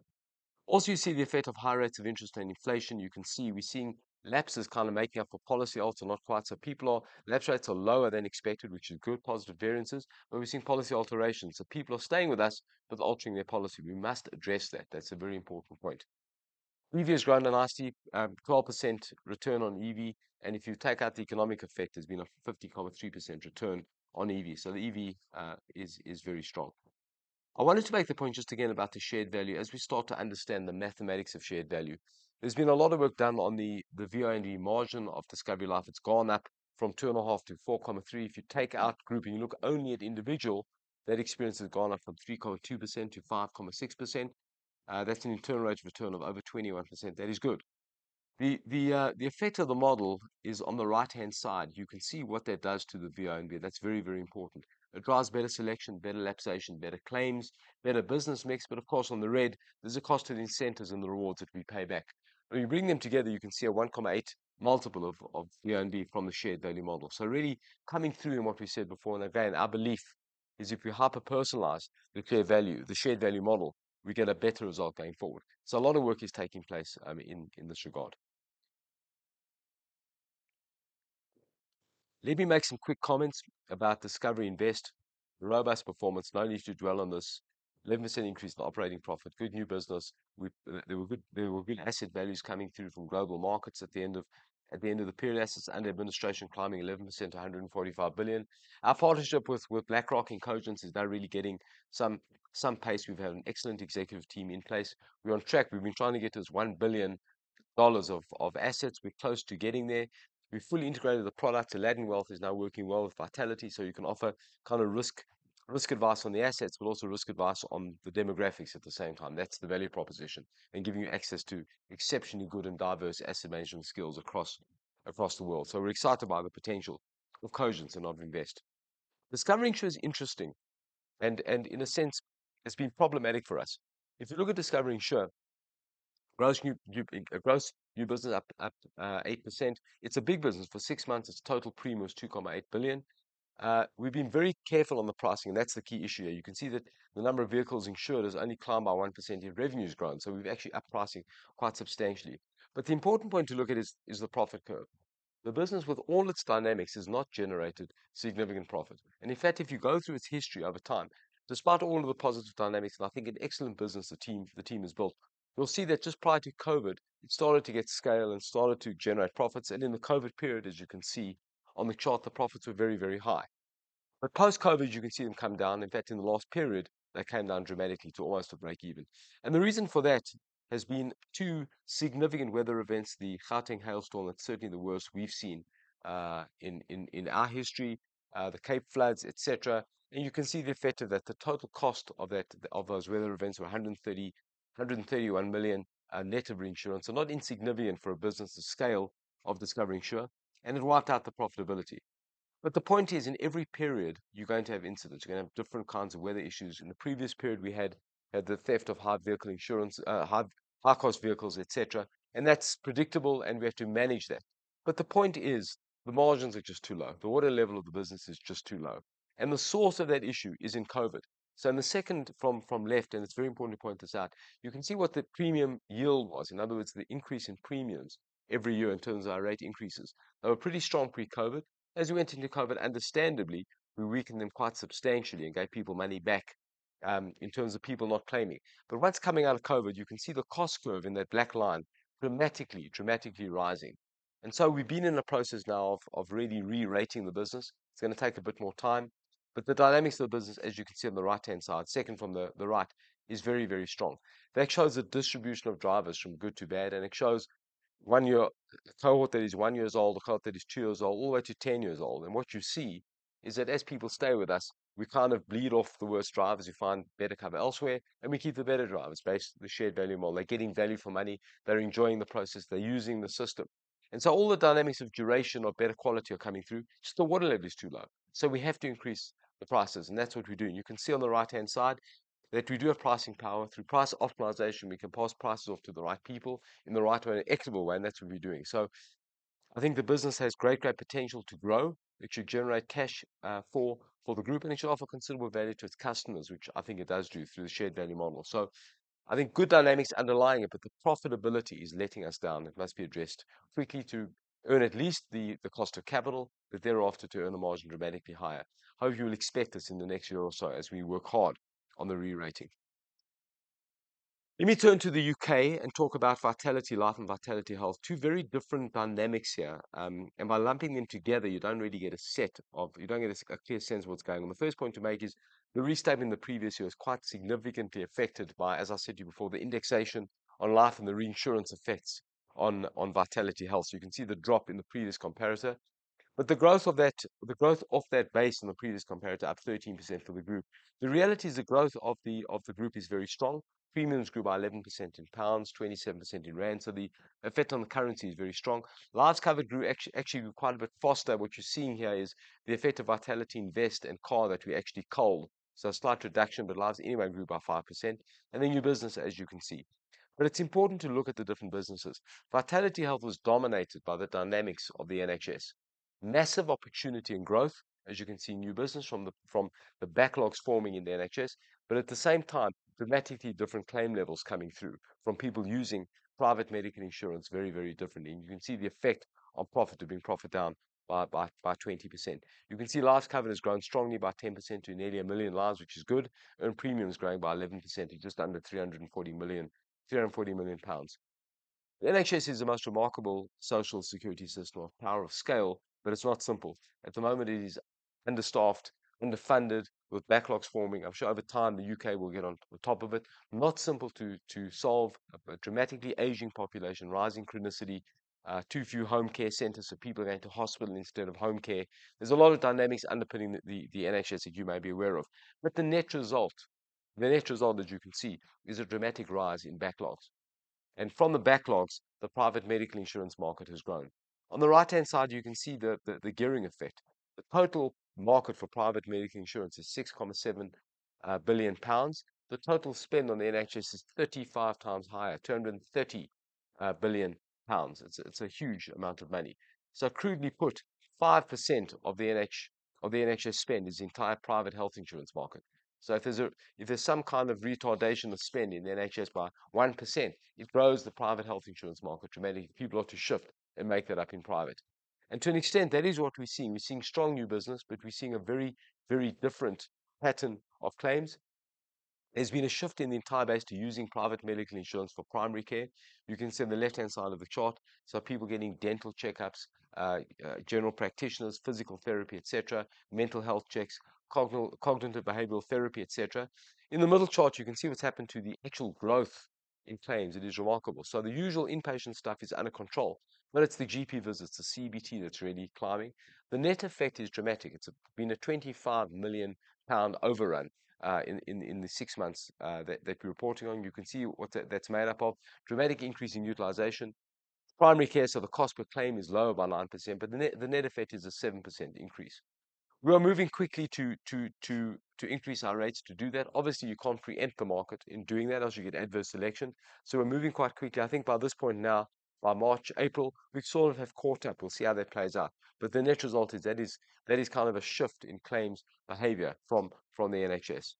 Also, you see the effect of high rates of interest and inflation. You can see we're seeing lapses kind of making up for policy, also not quite. So people are... Lapse rates are lower than expected, which is good, positive variances, but we're seeing policy alterations, so people are staying with us but altering their policy. We must address that. That's a very important point. EV has grown nicely, 12% return on EV, and if you take out the economic effect, there's been a 53% return on EV. So the EV is very strong. I wanted to make the point just again about the shared value. As we start to understand the mathematics of shared value, there's been a lot of work done on the VNB margin of Discovery Life. It's gone up from 2.5-4.3. If you take out group and you look only at individual, that experience has gone up from 3.2%-5.6%. That's an internal rate of return of over 21%. That is good. The effect of the model is on the right-hand side. You can see what that does to the VNB. That's very, very important. It drives better selection, better lapse, better claims, better business mix. But of course, on the red, there's a cost to the incentives and the rewards that we pay back. When you bring them together, you can see a 1.8 multiple of VNB from the shared value model. So really coming through in what we said before, and again, our belief is if we hyper-personalize the clear value, the shared value model, we get a better result going forward. So a lot of work is taking place in this regard. Let me make some quick comments about Discovery Invest. Robust performance, no need to dwell on this. 11% increase in operating profit, good new business. There were good asset values coming through from global markets at the end of the period, assets under administration climbing 11% to 145 billion. Our partnership with BlackRock and Cogence is now really getting some pace. We've had an excellent executive team in place. We're on track. We've been trying to get to this $1 billion of assets. We're close to getting there. We've fully integrated the product. Aladdin Wealth is now working well with Vitality, so you can offer kind of risk advice on the assets, but also risk advice on the demographics at the same time. That's the value proposition, and giving you access to exceptionally good and diverse asset management skills across the world. So we're excited by the potential of Cogence and of Invest. Discovery Insure is interesting and in a sense, it's been problematic for us. If you look at Discovery Insure, gross new business is up 8%. It's a big business. For six months, its total premium was 2.8 billion. We've been very careful on the pricing, and that's the key issue here. You can see that the number of vehicles insured has only climbed by 1%, yet revenue's grown. So we've actually up-pricing quite substantially. But the important point to look at is, is the profit curve. The business, with all its dynamics, has not generated significant profit. And in fact, if you go through its history over time, despite all of the positive dynamics, and I think an excellent business the team, the team has built, you'll see that just prior to COVID, it started to get scale and started to generate profits. And in the COVID period, as you can see on the chart, the profits were very, very high. But post-COVID, you can see them come down. In fact, in the last period, they came down dramatically to almost to break even. The reason for that has been two significant weather events, the Gauteng hailstorm, that's certainly the worst we've seen in our history, the Cape floods, et cetera. And you can see the effect of that. The total cost of that, of those weather events were 131 million net of reinsurance. So not insignificant for a business the scale of Discovery Insure, and it wiped out the profitability. But the point is, in every period, you're going to have incidents. You're gonna have different kinds of weather issues. In the previous period, we had the theft of high vehicle insurance, high-cost vehicles, et cetera, and that's predictable, and we have to manage that. But the point is, the margins are just too low. The water level of the business is just too low, and the source of that issue is in COVID. So in the second from left, and it's very important to point this out, you can see what the premium yield was. In other words, the increase in premiums every year in terms of our rate increases. They were pretty strong pre-COVID. As we went into COVID, understandably, we weakened them quite substantially and gave people money back in terms of people not claiming. But once coming out of COVID, you can see the cost curve in that black line dramatically, dramatically rising. And so we've been in a process now of really re-rating the business. It's gonna take a bit more time, but the dynamics of the business, as you can see on the right-hand side, second from the right, is very, very strong. That shows the distribution of drivers from good to bad, and it shows 1 year, a cohort that is 1 year old, a cohort that is 2 years old, all the way to 10 years old. And what you see is that as people stay with us, we kind of bleed off the worst drivers who find better cover elsewhere, and we keep the better drivers based on the shared value model. They're getting value for money, they're enjoying the process, they're using the system. And so all the dynamics of duration or better quality are coming through, just the water level is too low. So we have to increase the prices, and that's what we're doing. You can see on the right-hand side that we do have pricing power. Through price optimization, we can pass prices off to the right people in the right way, an equitable way, and that's what we're doing. So I think the business has great, great potential to grow. It should generate cash for the group, and it should offer considerable value to its customers, which I think it does do through the shared value model. So I think good dynamics underlying it, but the profitability is letting us down. It must be addressed quickly to earn at least the cost of capital, but thereafter, to earn the margin dramatically higher. I hope you will expect this in the next year or so as we work hard on the rerating. Let me turn to the UK and talk about VitalityLife and VitalityHealth, two very different dynamics here. And by lumping them together, you don't really get a set of-- you don't get a clear sense of what's going on. The first point to make is the restatement in the previous year was quite significantly affected by, as I said to you before, the indexation on life and the reinsurance effects on VitalityHealth. So you can see the drop in the previous comparator, but the growth of that, the growth of that base on the previous comparator, up 13% for the group. The reality is the growth of the group is very strong. Premiums grew by 11% in pounds, 27% in rand, so the effect on the currency is very strong. Lives covered grew actually quite a bit faster. What you're seeing here is the effect of VitalityInvest and Car that we actually culled. So a slight reduction, but lives anyway grew by 5%, and the new business, as you can see. But it's important to look at the different businesses. VitalityHealth was dominated by the dynamics of the NHS. Massive opportunity and growth, as you can see, new business from the, from the backlogs forming in the NHS, but at the same time, dramatically different claim levels coming through from people using private medical insurance very, very differently. And you can see the effect on profit of being profit down by, by, by 20%. You can see lives covered has grown strongly by 10% to nearly 1 million lives, which is good, earned premiums growing by 11% to just under 340 million, 340 million pounds. The NHS is the most remarkable social security system of power of scale, but it's not simple. At the moment, it is understaffed, underfunded, with backlogs forming. I'm sure over time, the UK will get on top of it. Not simple to solve. A dramatically aging population, rising chronicity, too few home care centers, so people are going to hospital instead of home care. There's a lot of dynamics underpinning the NHS that you may be aware of. But the net result, the net result, as you can see, is a dramatic rise in backlogs. And from the backlogs, the private medical insurance market has grown. On the right-hand side, you can see the gearing effect. The total market for private medical insurance is 6.7 billion pounds. The total spend on the NHS is 35x higher, 230 billion pounds. It's a huge amount of money. So crudely put, 5% of the NHS spend is the entire private health insurance market. So if there's some kind of retardation of spend in the NHS by 1%, it grows the private health insurance market dramatically. People have to shift and make that up in private. And to an extent, that is what we're seeing. We're seeing strong new business, but we're seeing a very, very different pattern of claims. There's been a shift in the entire base to using private medical insurance for primary care. You can see on the left-hand side of the chart, so people getting dental checkups, general practitioners, physical therapy, et cetera, mental health checks, cognitive behavioral therapy, et cetera. In the middle chart, you can see what's happened to the actual growth in claims. It is remarkable. So the usual inpatient stuff is under control, but it's the GP visits, the CBT, that's really climbing. The net effect is dramatic. It's been a 25 million pound overrun in the six months that we're reporting on. You can see what that's made up of. Dramatic increase in utilization. Primary care, so the cost per claim is lower by 9%, but the net effect is a 7% increase. We are moving quickly to increase our rates to do that. Obviously, you can't pre-empt the market in doing that, or else you get adverse selection. So we're moving quite quickly. I think by this point now, by March, April, we sort of have caught up. We'll see how that plays out. But the net result is that is kind of a shift in claims behavior from the NHS.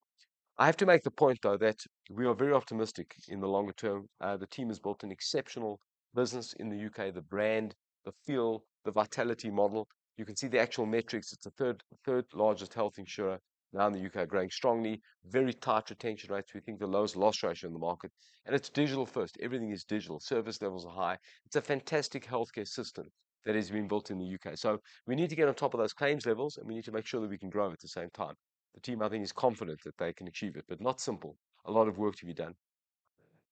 I have to make the point, though, that we are very optimistic in the longer term. The team has built an exceptional business in the UK, the brand, the feel, the Vitality model. You can see the actual metrics. It's the third-largest health insurer now in the UK, growing strongly, very tight retention rates. We think the lowest loss ratio in the market, and it's digital first. Everything is digital. Service levels are high. It's a fantastic healthcare system that has been built in the UK. So we need to get on top of those claims levels, and we need to make sure that we can grow at the same time. The team, I think, is confident that they can achieve it, but not simple. A lot of work to be done.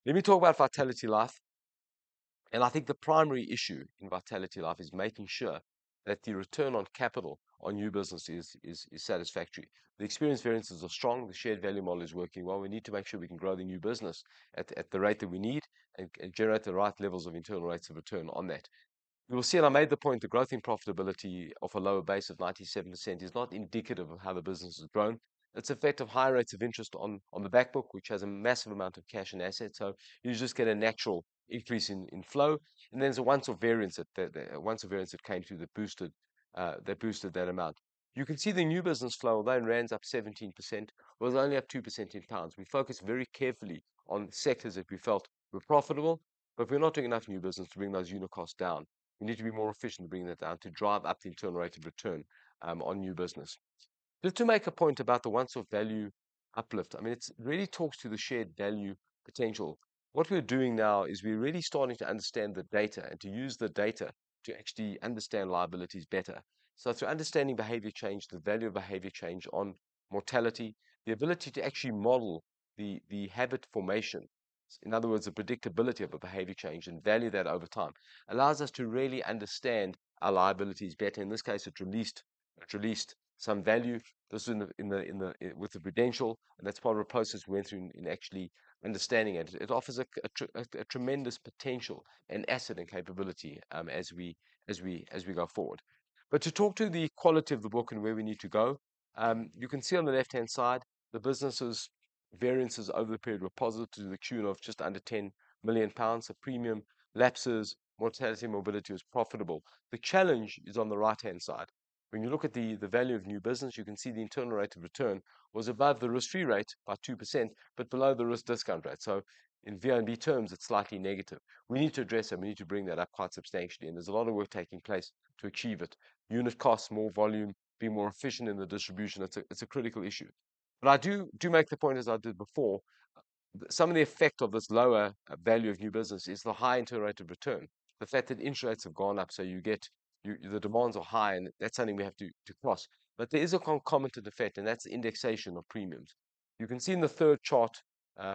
Let me talk about VitalityLife, and I think the primary issue in VitalityLife is making sure that the return on capital on new business is satisfactory. The experience variances are strong, the shared value model is working well. We need to make sure we can grow the new business at the rate that we need and generate the right levels of internal rates of return on that. You will see, and I made the point, the growth in profitability of a lower base of 97% is not indicative of how the business has grown. It's the effect of higher rates of interest on the back book, which has a massive amount of cash and assets. So you just get a natural increase in flow, and there's a once-off variance that once-off variance that came through that boosted that boosted that amount. You can see the new business flow, although in rands up 17%, was only up 2% in pounds. We focused very carefully on sectors that we felt were profitable, but we're not doing enough new business to bring those unit cost down. We need to be more efficient in bringing that down to drive up the internal rate of return on new business. Just to make a point about the once-off value uplift, I mean, it really talks to the shared value potential. What we're doing now is we're really starting to understand the data and to use the data to actually understand liabilities better. So through understanding behavior change, the value of behavior change on mortality, the ability to actually model the habit formation, in other words, the predictability of a behavior change and value that over time, allows us to really understand our liabilities better. In this case, it released some value. This ends the... with the Prudential, and that's part of a process we went through in actually understanding it. It offers a tremendous potential and asset and capability, as we go forward. But to talk to the quality of the book and where we need to go, you can see on the left-hand side, the business's variances over the period were positive to the tune of just under 10 million pounds of premium. Lapses, mortality, morbidity was profitable. The challenge is on the right-hand side. When you look at the value of new business, you can see the internal rate of return was above the risk-free rate by 2%, but below the risk discount rate. So in VNB terms, it's slightly negative. We need to address it. We need to bring that up quite substantially, and there's a lot of work taking place to achieve it. Unit costs, more volume, be more efficient in the distribution. It's a critical issue. But I do make the point, as I did before, some of the effect of this lower value of new business is the high internal rate of return. The fact that interest rates have gone up, so you get the demands are high, and that's something we have to cross. But there is a concomitant effect, and that's the indexation of premiums. You can see in the third chart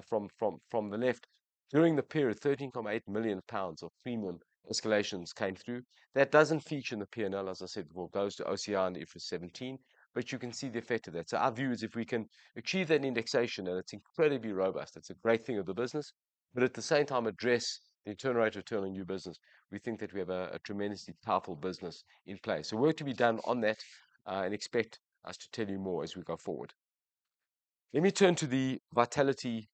from the left, during the period, 13.8 million pounds of premium escalations came through. That doesn't feature in the P&L. As I said, well, it goes to OCI and IFRS 17, but you can see the effect of that. So our view is if we can achieve that indexation, and it's incredibly robust, it's a great thing of the business, but at the same time address the internal rate of return on new business, we think that we have a tremendously powerful business in place. So work to be done on that, and expect us to tell you more as we go forward. Let me turn to the Vitality,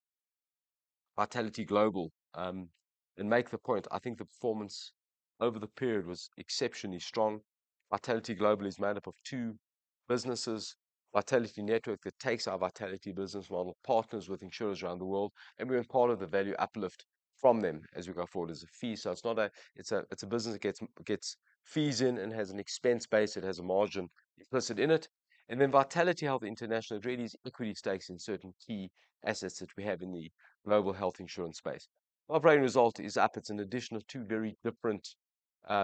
Vitality Global, and make the point: I think the performance over the period was exceptionally strong. Vitality Global is made up of two businesses, Vitality Network, that takes our Vitality business model, partners with insurers around the world, and we earn part of the value uplift from them as we go forward as a fee. So it's not a... It's a, it's a business that gets, gets fees in and has an expense base, it has a margin implicit in it. And then VitalityHealth International really is equity stakes in certain key assets that we have in the global health insurance space. Operating result is up. It's an addition of two very different,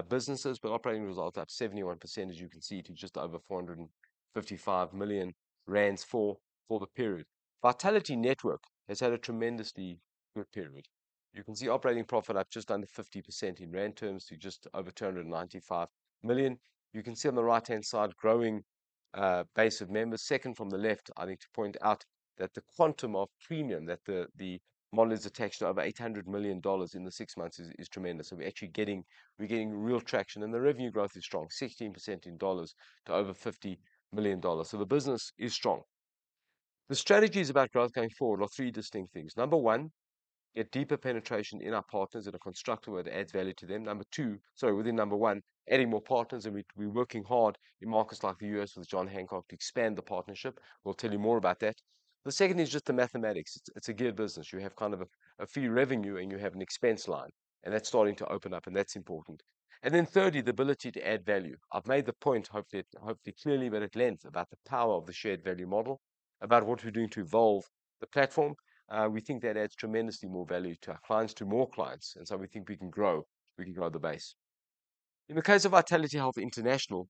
businesses, but operating result up 71%, as you can see, to just over 455 million rand for, for the period. Vitality Network has had a tremendously good period. You can see operating profit up just under 50% in rand terms to just over 295 million. You can see on the right-hand side, growing base of members. Second, from the left, I need to point out that the quantum of premium that the model is attached to, over $800 million in the six months, is tremendous, and we're actually getting—we're getting real traction, and the revenue growth is strong, 16% in dollars to over $50 million. So the business is strong. The strategy is about growth going forward on three distinct things. Number one, get deeper penetration in our partners that are constructive, where it adds value to them. Number two... Sorry, within number one, adding more partners, and we're working hard in markets like the U.S. with John Hancock to expand the partnership. We'll tell you more about that. The second is just the mathematics. It's a good business. You have kind of a fee revenue, and you have an expense line, and that's starting to open up, and that's important. And then thirdly, the ability to add value. I've made the point, hopefully clearly, but at length, about the power of the shared value model, about what we're doing to evolve the platform. We think that adds tremendously more value to our clients, to more clients, and so we think we can grow the base. In the case of VitalityHealth International,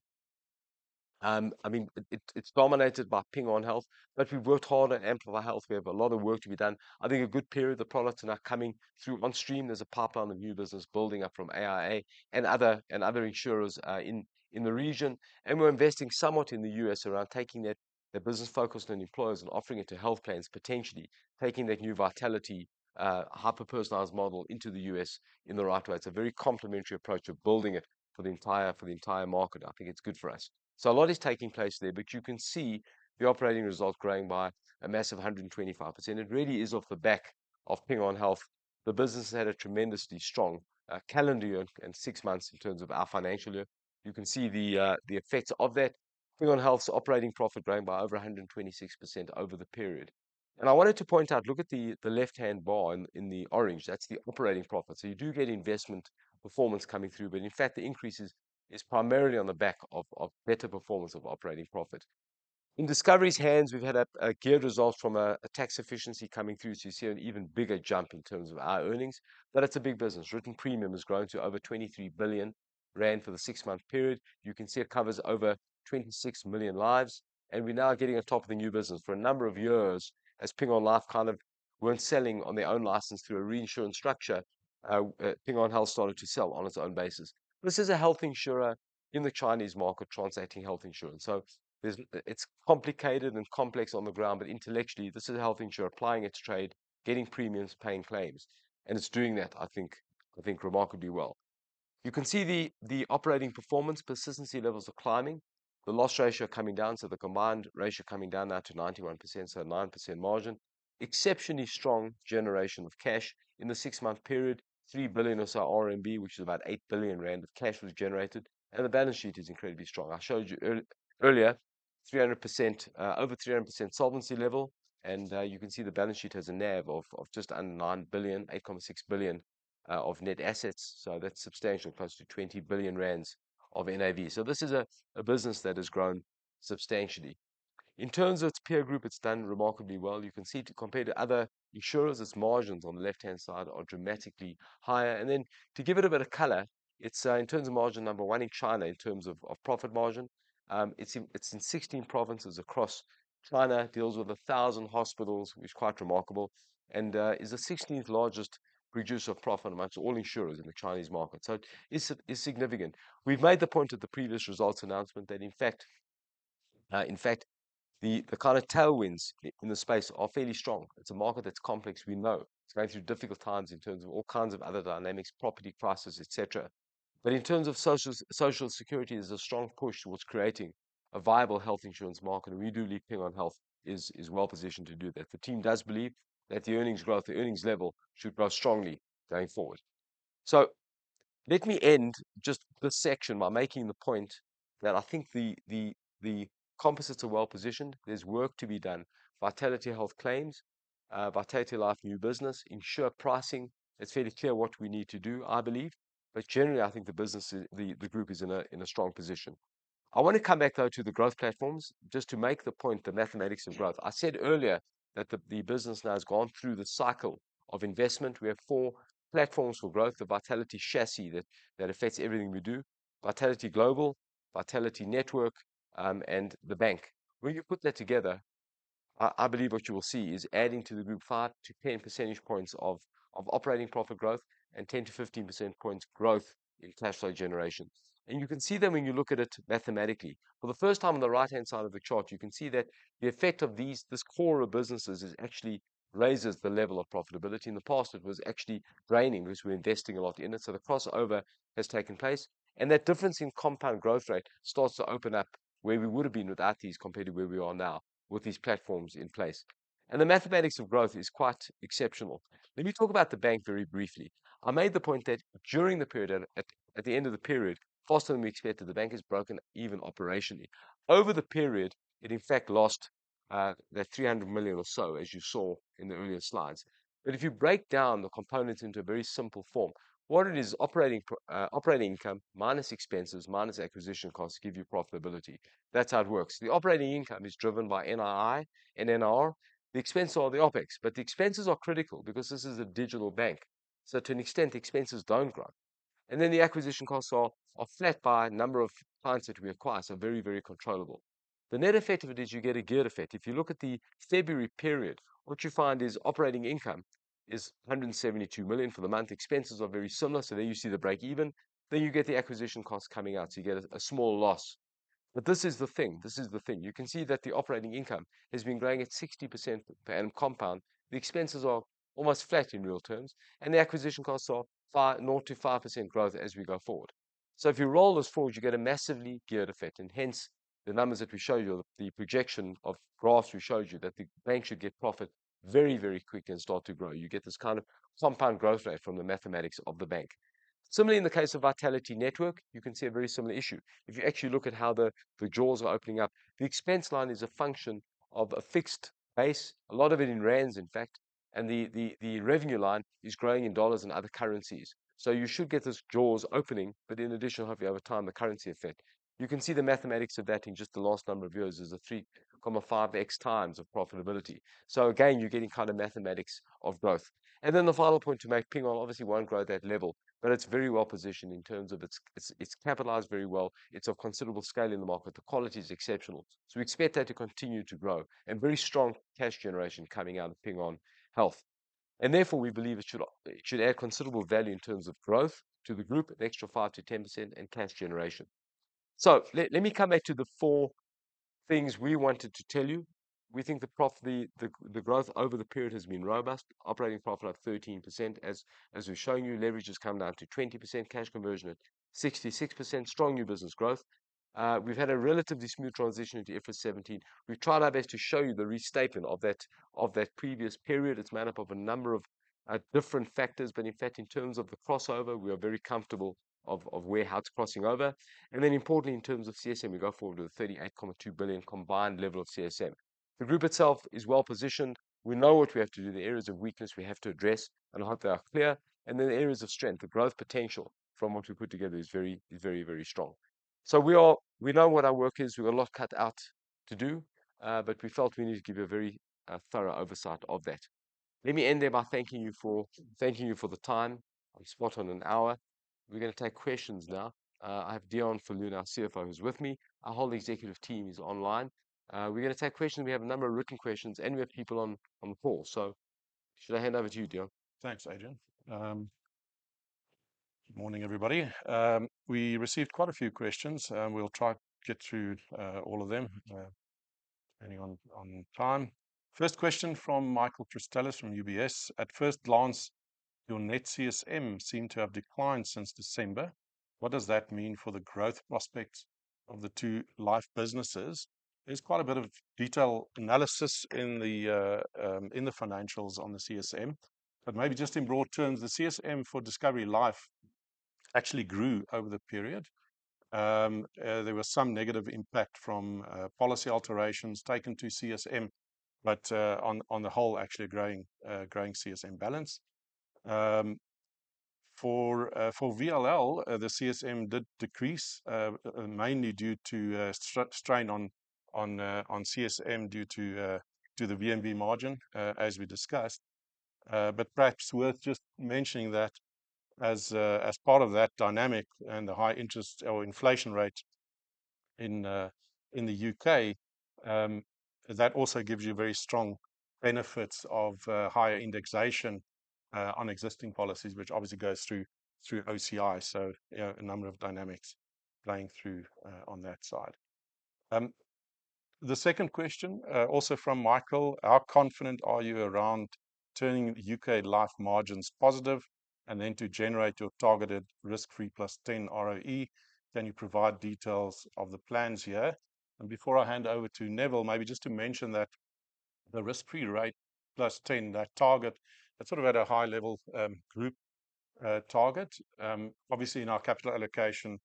I mean, it's dominated by Ping An Health, but we've worked hard at Amplify Health. We have a lot of work to be done. I think a good period, the products are now coming through on stream. There's a pipeline of new business building up from AIA and other, and other insurers, in the region. And we're investing somewhat in the U.S. around taking that, that business focus on employers and offering it to health plans, potentially taking that new Vitality hyper-personalized model into the U.S. in the right way. It's a very complementary approach of building it for the entire, for the entire market. I think it's good for us. So a lot is taking place there, but you can see the operating results growing by a massive 125%. It really is off the back of Ping An Health. The business had a tremendously strong calendar year and six months in terms of our financial year. You can see the, the effects of that. Ping An Health's operating profit growing by over 126% over the period. And I wanted to point out, look at the, the left-hand bar in, in the orange. That's the operating profit. So you do get investment performance coming through, but in fact, the increases is primarily on the back of, of better performance of operating profit. In Discovery's hands, we've had a, a good result from a, a tax efficiency coming through, so you see an even bigger jump in terms of our earnings, but it's a big business. Written premium has grown to over 23 billion rand for the six-month period. You can see it covers over 26 million lives, and we're now getting on top of the new business. For a number of years, as Ping An Life kind of weren't selling on their own license through a reinsurance structure, Ping An Health started to sell on its own basis. This is a health insurer in the Chinese market transacting health insurance. So it's complicated and complex on the ground, but intellectually, this is a health insurer applying its trade, getting premiums, paying claims, and it's doing that, I think, remarkably well. You can see the operating performance persistency levels are climbing, the loss ratio coming down, so the combined ratio coming down now to 91%, so 9% margin. Exceptionally strong generation of cash. In the six-month period, 3 billion, which is about 8 billion rand of cash was generated, and the balance sheet is incredibly strong. I showed you earlier, 300%, over 300% solvency level, and you can see the balance sheet has a NAV of just under 9 billion, 8.6 billion of net assets. So that's substantial, close to 20 billion rand of NAV. So this is a business that has grown substantially. In terms of its peer group, it's done remarkably well. You can see to compare to other insurers, its margins on the left-hand side are dramatically higher. And then to give it a bit of color, it's in terms of margin, number one in China, in terms of profit margin. It's in 16 provinces across China, deals with 1,000 hospitals, which is quite remarkable, and is the 16th largest producer of profit amongst all insurers in the Chinese market. So it's significant. We've made the point at the previous results announcement that, in fact, in fact, the kind of tailwinds in the space are fairly strong. It's a market that's complex, we know. It's going through difficult times in terms of all kinds of other dynamics, property prices, et cetera. But in terms of social security, there's a strong push towards creating a viable health insurance market, and we do believe Ping An Health is well positioned to do that. The team does believe that the earnings growth, the earnings level, should grow strongly going forward. So let me end just this section by making the point that I think the composites are well positioned. There's work to be done. VitalityHealth claims, VitalityLife new business, insurer pricing. It's fairly clear what we need to do, I believe. But generally, I think the business is the group is in a strong position. I want to come back, though, to the growth platforms, just to make the point, the mathematics of growth. I said earlier that the business now has gone through the cycle of investment. We have four platforms for growth: the Vitality Chassis, that affects everything we do, Vitality Global, Vitality Network, and the bank. When you put that together, I believe what you will see is adding to the group 5-10 percentage points of operating profit growth and 10-15 percentage points growth in cash flow generation. And you can see them when you look at it mathematically. For the first time, on the right-hand side of the chart, you can see that the effect of these, this core of businesses, is actually raises the level of profitability. In the past, it was actually draining as we were investing a lot in it. So the crossover has taken place, and that difference in compound growth rate starts to open up where we would've been without these, compared to where we are now with these platforms in place. And the mathematics of growth is quite exceptional. Let me talk about the bank very briefly. I made the point that during the period, at the end of the period, faster than we expected, the bank has broken even operationally. Over the period, it, in fact, lost that 300 million or so, as you saw in the earlier slides. But if you break down the components into a very simple form, what it is, operating income, minus expenses, minus acquisition costs, give you profitability. That's how it works. The operating income is driven by NII and NIR. The expenses are the OpEx, but the expenses are critical because this is a digital bank, so to an extent, expenses don't grow. And then the acquisition costs are flat by number of clients that we acquire, so very, very controllable. The net effect of it is you get a geared effect. If you look at the February period, what you find is operating income is 172 million for the month. Expenses are very similar, so there you see the break even. Then you get the acquisition costs coming out, so you get a small loss. But this is the thing, this is the thing. You can see that the operating income has been growing at 60% per annum compound. The expenses are almost flat in real terms, and the acquisition costs are 0%-5% growth as we go forward. So if you roll this forward, you get a massively geared effect, and hence the numbers that we showed you, the projection of graphs we showed you, that the bank should get profit very, very quick and start to grow. You get this kind of compound growth rate from the mathematics of the bank. Similarly, in the case of Vitality Network, you can see a very similar issue. If you actually look at how the jaws are opening up, the expense line is a function of a fixed base, a lot of it in rands, in fact, and the revenue line is growing in dollars and other currencies. So you should get this jaws opening, but in addition, hopefully, over time, the currency effect. You can see the mathematics of that in just the last number of years is a 3.5x times of profitability. So again, you're getting kind of mathematics of growth. And then the final point to make, Ping An obviously won't grow that level, but it's very well positioned in terms of its... It's, it's capitalized very well. It's of considerable scale in the market. The quality is exceptional. So we expect that to continue to grow and very strong cash generation coming out of Ping An Health. And therefore, we believe it should, it should add considerable value in terms of growth to the group, an extra 5%-10% and cash generation. So let, let me come back to the four things we wanted to tell you. We think the growth over the period has been robust. Operating profit up 13%. As we've shown you, leverage has come down to 20%, cash conversion at 66%, strong new business growth. We've had a relatively smooth transition into IFRS 17. We've tried our best to show you the restatement of that previous period. It's made up of a number of different factors, but in fact, in terms of the crossover, we are very comfortable of where how it's crossing over. And then importantly, in terms of CSM, we go forward with a 38.2 billion combined level of CSM. The group itself is well positioned. We know what we have to do, the areas of weakness we have to address, and I hope they are clear. Then the areas of strength, the growth potential from what we put together is very, very, very strong. So we are, we know what our work is. We've a lot cut out to do, but we felt we need to give you a very thorough oversight of that. Let me end there by thanking you for, thanking you for the time. It's spot on an hour. We're gonna take questions now. I have Deon Viljoen, our CFO, who's with me. Our whole executive team is online. We're gonna take questions. We have a number of written questions, and we have people on, on the call. So should I hand over to you, Deon? Thanks, Adrian. Good morning, everybody. We received quite a few questions, and we'll try to get through all of them depending on time. First question from Michael Christelis from UBS: At first glance, your net CSM seemed to have declined since December. What does that mean for the growth prospects of the two life businesses? There's quite a bit of detailed analysis in the financials on the CSM, but maybe just in broad terms, the CSM for Discovery Life actually grew over the period. There was some negative impact from policy alterations taken to CSM, but on the whole, actually a growing CSM balance. For VLL, the CSM did decrease, mainly due to strain on CSM due to the VNB margin, as we discussed. But perhaps worth just mentioning that as part of that dynamic and the high interest or inflation rate in the UK, that also gives you very strong benefits of higher indexation on existing policies, which obviously goes through OCI. So, you know, a number of dynamics playing through on that side. The second question, also from Michael: How confident are you around turning UK life margins positive and then to generate your targeted risk-free plus 10 ROE? Can you provide details of the plans here? Before I hand over to Neville, maybe just to mention that the risk-free rate plus ten, that target, that's sort of at a high level, group target. Obviously, in our capital allocation,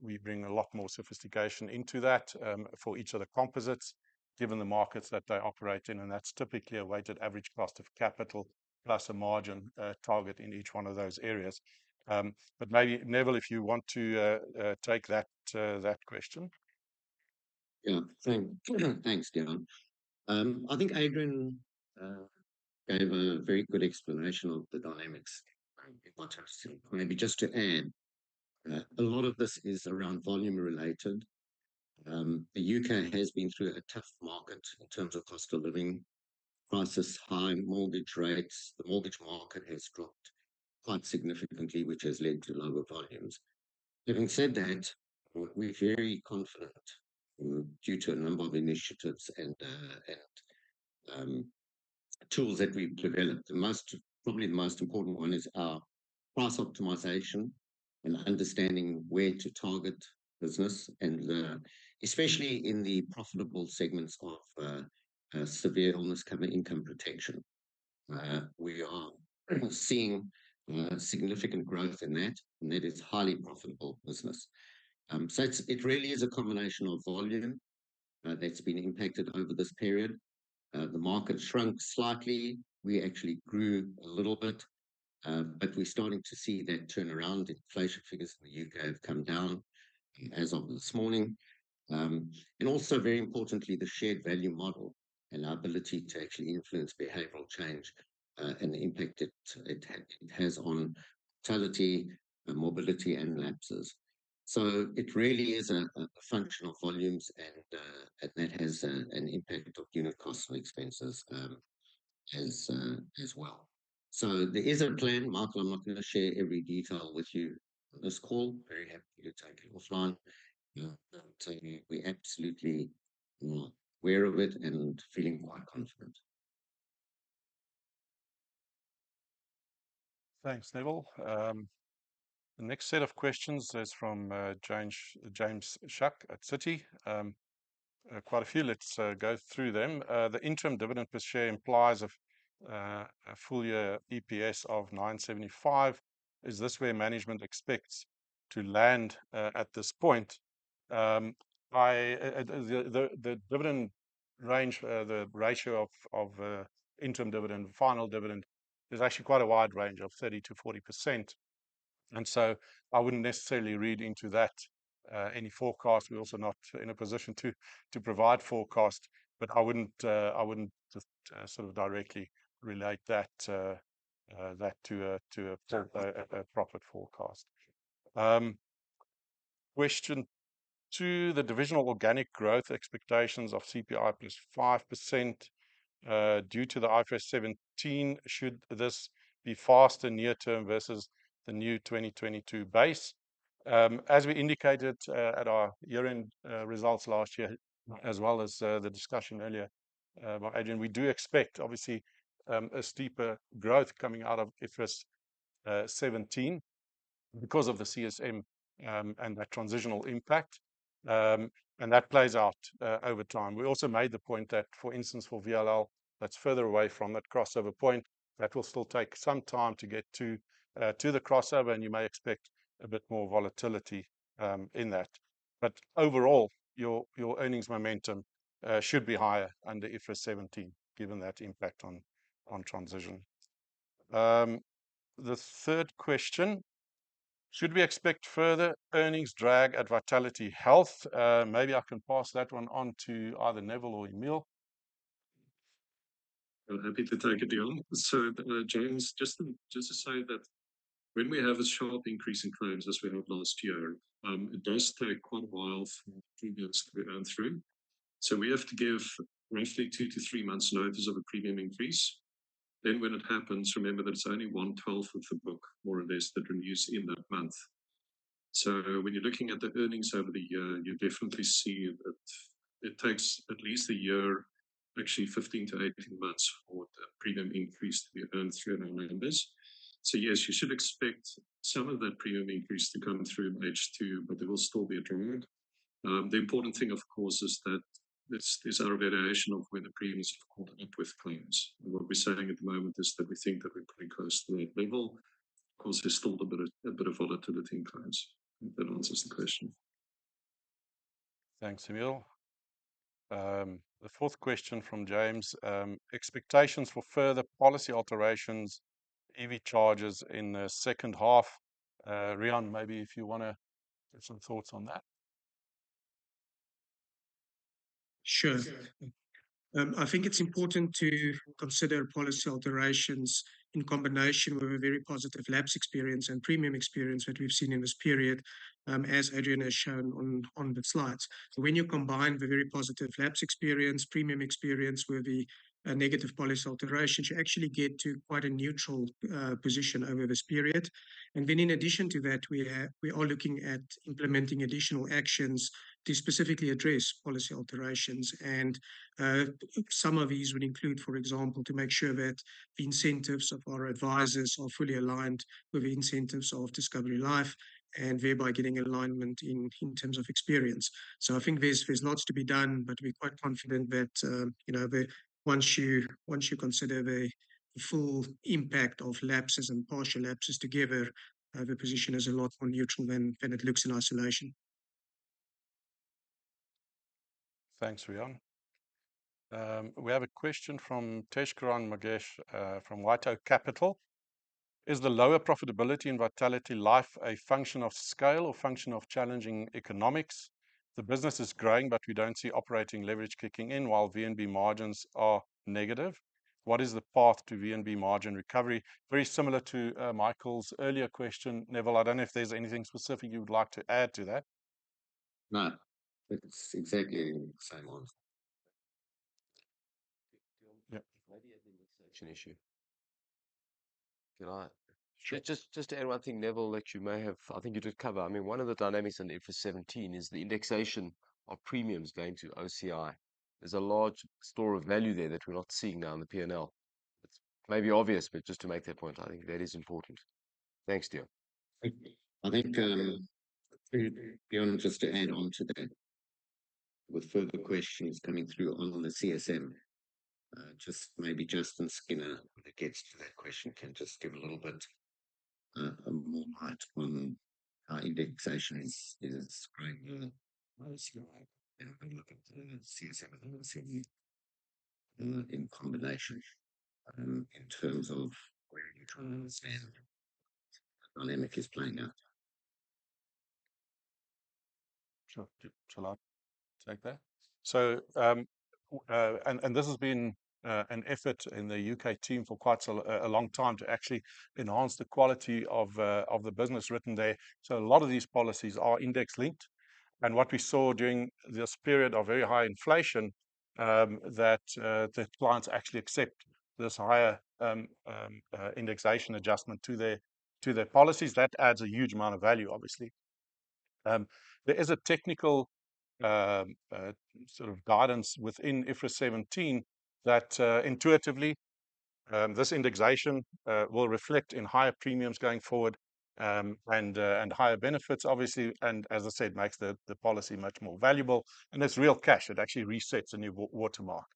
we bring a lot more sophistication into that, for each of the composites, given the markets that they operate in, and that's typically a weighted average cost of capital, plus a margin, target in each one of those areas. But maybe, Neville, if you want to, take that, that question. Yeah. Thanks, Deon. I think Adrian gave a very good explanation of the dynamics in what I've seen. Maybe just to add, a lot of this is around volume related. The UK has been through a tough market in terms of cost of living, prices, high mortgage rates. The mortgage market has dropped quite significantly, which has led to lower volumes. Having said that, we're very confident, due to a number of initiatives and tools that we've developed. The most, probably the most important one is our price optimization and understanding where to target business, and especially in the profitable segments of severe illness, cover income protection. We are seeing significant growth in that, and that is highly profitable business. So it's really a combination of volume that's been impacted over this period. The market shrunk slightly. We actually grew a little bit, but we're starting to see that turn around. Inflation figures in the UK have come down as of this morning. And also, very importantly, the shared value model and our ability to actually influence behavioral change and the impact it has on mortality, morbidity, and lapses. So it really is a function of volumes, and that has an impact on unit cost and expenses, as well. So there is a plan. Michael, I'm not gonna share every detail with you on this call. Very happy to take it offline. So we absolutely aware of it and feeling quite confident. Thanks, Neville. The next set of questions is from James Shuck at Citi. Quite a few. Let's go through them. The interim dividend per share implies of a full year EPS of 975. Is this where management expects to land at this point? The dividend range, the ratio of interim dividend, final dividend, is actually quite a wide range of 30%-40%, and so I wouldn't necessarily read into that any forecast. We're also not in a position to provide forecast, but I wouldn't sort of directly relate that to a profit forecast. Question two, the divisional organic growth expectations of CPI plus 5%, due to the IFRS 17, should this be faster near term versus the new 2022 base? As we indicated, at our year-end results last year, as well as the discussion earlier by Adrian, we do expect, obviously, a steeper growth coming out of IFRS seventeen because of the CSM, and that transitional impact. And that plays out over time. We also made the point that, for instance, for VLL, that's further away from that crossover point. That will still take some time to get to the crossover, and you may expect a bit more volatility in that. But overall, your earnings momentum should be higher under IFRS 17, given that impact on transition. The third question: Should we expect further earnings drag at VitalityHealth? Maybe I can pass that one on to either Neville or Emile. I'm happy to take it, Deon. So, James, just to, just to say that when we have a sharp increase in claims as we had last year, it does take quite a while for premiums to be earned through. So we have to give roughly 2-3 months notice of a premium increase. Then when it happens, remember that it's only 1/12 of the book, more or less, that renews in that month. So when you're looking at the earnings over the year, you definitely see that it takes at least a year, actually 15-18 months, for the premium increase to be earned through our members. So yes, you should expect some of that premium increase to come through in H2, but there will still be a drag. The important thing, of course, is that this is our variation of when the premiums have caught up with claims. What we're saying at the moment is that we think that we're pretty close to that level. Of course, there's still a bit of volatility in claims. I think that answers the question.... Thanks, Emile. The fourth question from James, expectations for further policy alterations, EV charges in the second half. Riaan, maybe if you wanna give some thoughts on that? Sure. I think it's important to consider policy alterations in combination with a very positive lapse experience and premium experience that we've seen in this period, as Adrian has shown on the slides. So when you combine the very positive lapse experience, premium experience, with the negative policy alterations, you actually get to quite a neutral position over this period. And then in addition to that, we are looking at implementing additional actions to specifically address policy alterations. And some of these would include, for example, to make sure that the incentives of our advisors are fully aligned with the incentives of Discovery Life, and thereby getting alignment in terms of experience. So I think there's lots to be done, but we're quite confident that, you know, once you consider the full impact of lapses and partial lapses together, the position is a lot more neutral than it looks in isolation. Thanks, Riaan. We have a question from Tasneem Karnani from White Oak Capital: Is the lower profitability in VitalityLife a function of scale or function of challenging economics? The business is growing, but we don't see operating leverage kicking in while VNB margins are negative. What is the path to VNB margin recovery? Very similar to Michael's earlier question. Neville, I don't know if there's anything specific you would like to add to that. No, it's exactly the same one. Yep. Maybe an indexation issue. Can I- Sure. Just to add one thing, Neville, that you may have... I think you did cover. I mean, one of the dynamics in IFRS 17 is the indexation of premiums going to OCI. There's a large store of value there that we're not seeing now in the P&L. It's maybe obvious, but just to make that point, I think that is important. Thanks, Deon. I think, to beyond, just to add on to that, with further questions coming through on the CSM, just maybe Justin Skinner, when it gets to that question, can just give a little bit, more light on how indexation is playing in OCI. And looking at the CSM and OCI, in combination, in terms of where you try to understand the dynamic is playing out. Sure. Shall I take that? So, this has been an effort in the UK team for quite a long time to actually enhance the quality of the business written there. So a lot of these policies are index linked, and what we saw during this period of very high inflation, that the clients actually accept this higher indexation adjustment to their policies. That adds a huge amount of value, obviously. There is a technical sort of guidance within IFRS 17 that intuitively this indexation will reflect in higher premiums going forward, and higher benefits, obviously. And as I said, makes the policy much more valuable. And it's real cash. It actually resets a new watermark.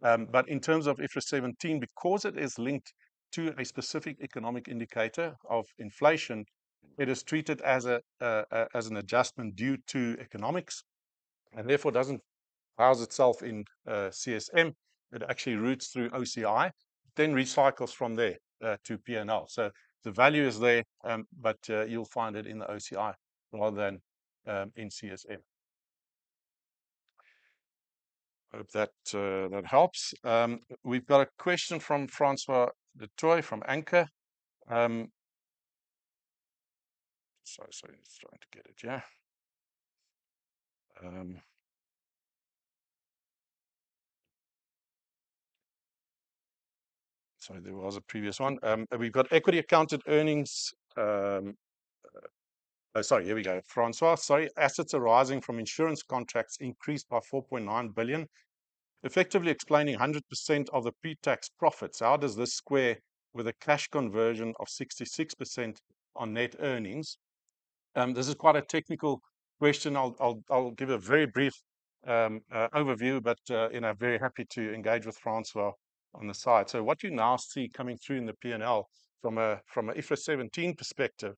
But in terms of IFRS 17, because it is linked to a specific economic indicator of inflation, it is treated as a, as an adjustment due to economics, and therefore doesn't house itself in, CSM. It actually routes through OCI, then recycles from there, to P&L. So the value is there, but, you'll find it in the OCI rather than, in CSM. I hope that, that helps. We've got a question from Francois Du Toit, from Anchor. Sorry, sorry, just trying to get it here. Sorry, there was a previous one. We've got equity accounted earnings. Sorry, here we go. Francois, sorry. Assets arising from insurance contracts increased by $4.9 billion, effectively explaining 100% of the pre-tax profits. How does this square with a cash conversion of 66% on net earnings? This is quite a technical question. I'll give a very brief overview, but you know, very happy to engage with Francois on the side. So what you now see coming through in the P&L from an IFRS 17 perspective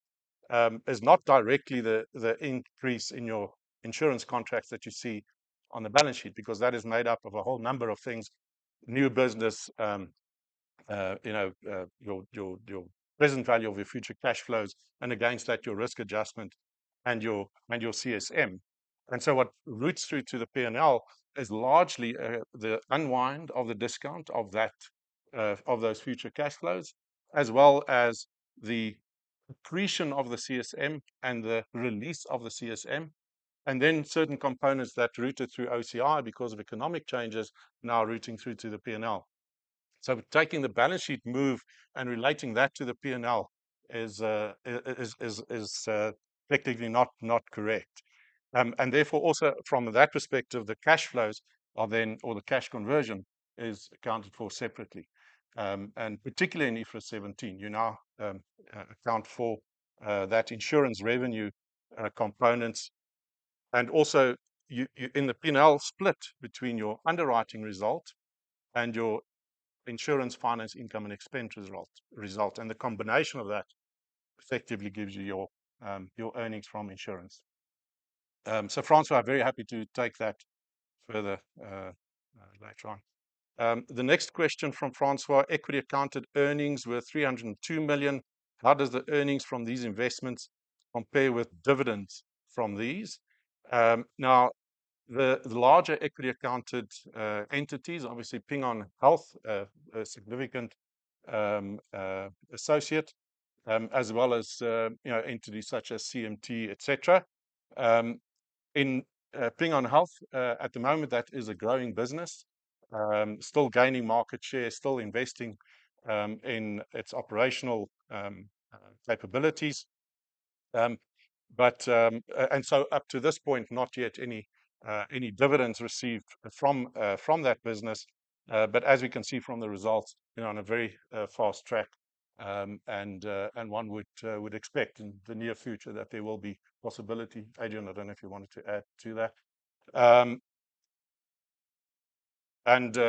is not directly the increase in your insurance contracts that you see on the balance sheet, because that is made up of a whole number of things: new business, you know, your present value of your future cash flows, and against that, your risk adjustment and your CSM. So what routes through to the P&L is largely the unwind of the discount of that of those future cash flows, as well as the accretion of the CSM and the release of the CSM, and then certain components that routed through OCI because of economic changes now routing through to the P&L. So taking the balance sheet move and relating that to the P&L is technically not correct. And therefore, also from that perspective, the cash flows are then or the cash conversion is accounted for separately. And particularly in IFRS 17, you now account for that insurance revenue components. And also, you in the P&L split between your underwriting result and your insurance finance income and expense result, and the combination of that. effectively gives you your, your earnings from insurance. So Francois, I'm very happy to take that further, later on. The next question from Francois: equity accounted earnings were 302 million. How does the earnings from these investments compare with dividends from these? Now, the larger equity accounted entities, obviously, Ping An Health, a significant associate, as well as, you know, entities such as CMT, et cetera. In Ping An Health, at the moment, that is a growing business, still gaining market share, still investing in its operational capabilities. But, and so up to this point, not yet any dividends received from that business. But as we can see from the results, they're on a very fast track, and one would expect in the near future that there will be possibility. Adrian, I don't know if you wanted to add to that.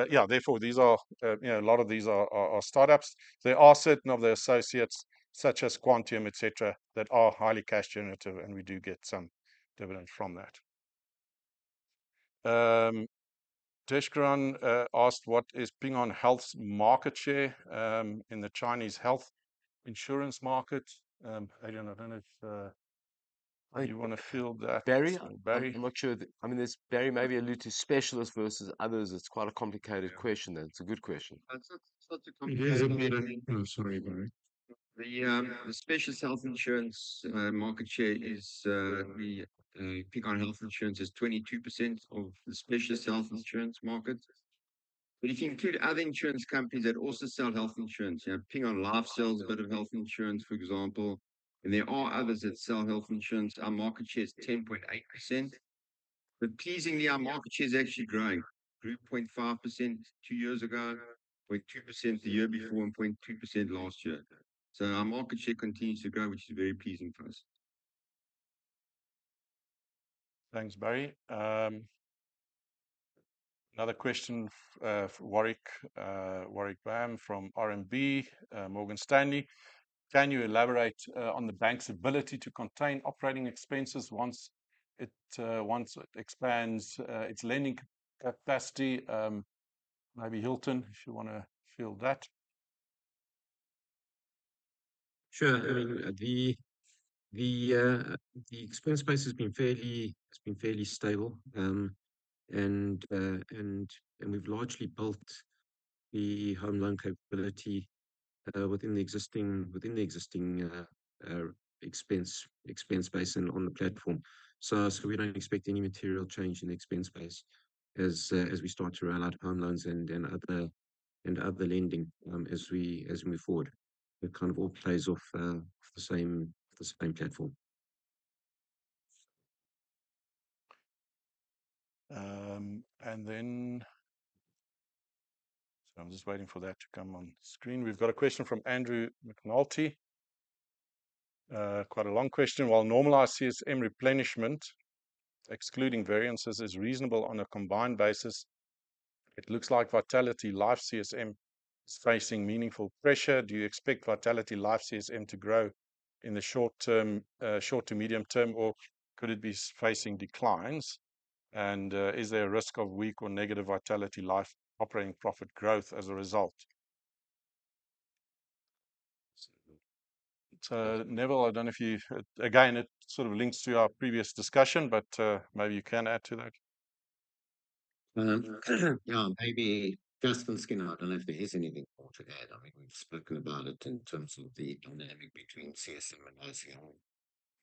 Yeah, therefore, these are, you know, a lot of these are startups. There are certain of the associates, such as Quantium, et cetera, that are highly cash generative, and we do get some dividends from that. Danesh asked: What is Ping An Health's market share in the Chinese health insurance market? Adrian, I don't know if you wanna field that? Barry. Barry? I'm not sure. I mean, this Barry maybe allude to specialists versus others. It's quite a complicated question there. Yeah. It's a good question. It's not, it's not too complicated. It is a bit... Oh, sorry, Barry. The specialist health insurance market share is. The Ping An Health is 22% of the specialist health insurance market. But if you include other insurance companies that also sell health insurance, you know, Ping An Life sells a bit of health insurance, for example, and there are others that sell health insurance. Our market share is 10.8%. But pleasingly, our market share is actually growing. Grew 0.5% two years ago, 0.2% the year before, and 0.3% last year. So our market share continues to grow, which is very pleasing for us. Thanks, Barry. Another question from Warwick, Warwick Bam from RMB Morgan Stanley: Can you elaborate on the bank's ability to contain operating expenses once it expands its lending capacity? Maybe Hylton, if you wanna field that. Sure. I mean, the expense base has been fairly... it's been fairly stable. And we've largely built the home loan capability within the existing expense base and on the platform. So we don't expect any material change in the expense base as we start to roll out home loans and other lending as we move forward. It kind of all plays off the same platform. So I'm just waiting for that to come on screen. We've got a question from Andrew McNulty. Quite a long question: While normalized CSM replenishment, excluding variances, is reasonable on a combined basis, it looks like VitalityLife CSM is facing meaningful pressure. Do you expect VitalityLife CSM to grow in the short term, short to medium term, or could it be facing declines? And, is there a risk of weak or negative VitalityLife operating profit growth as a result? Neville, I don't know if you've... Again, it sort of links to our previous discussion, but, maybe you can add to that. Yeah, maybe Justin Skinner. I don't know if there is anything more to add. I mean, we've spoken about it in terms of the dynamic between CSM and OCI,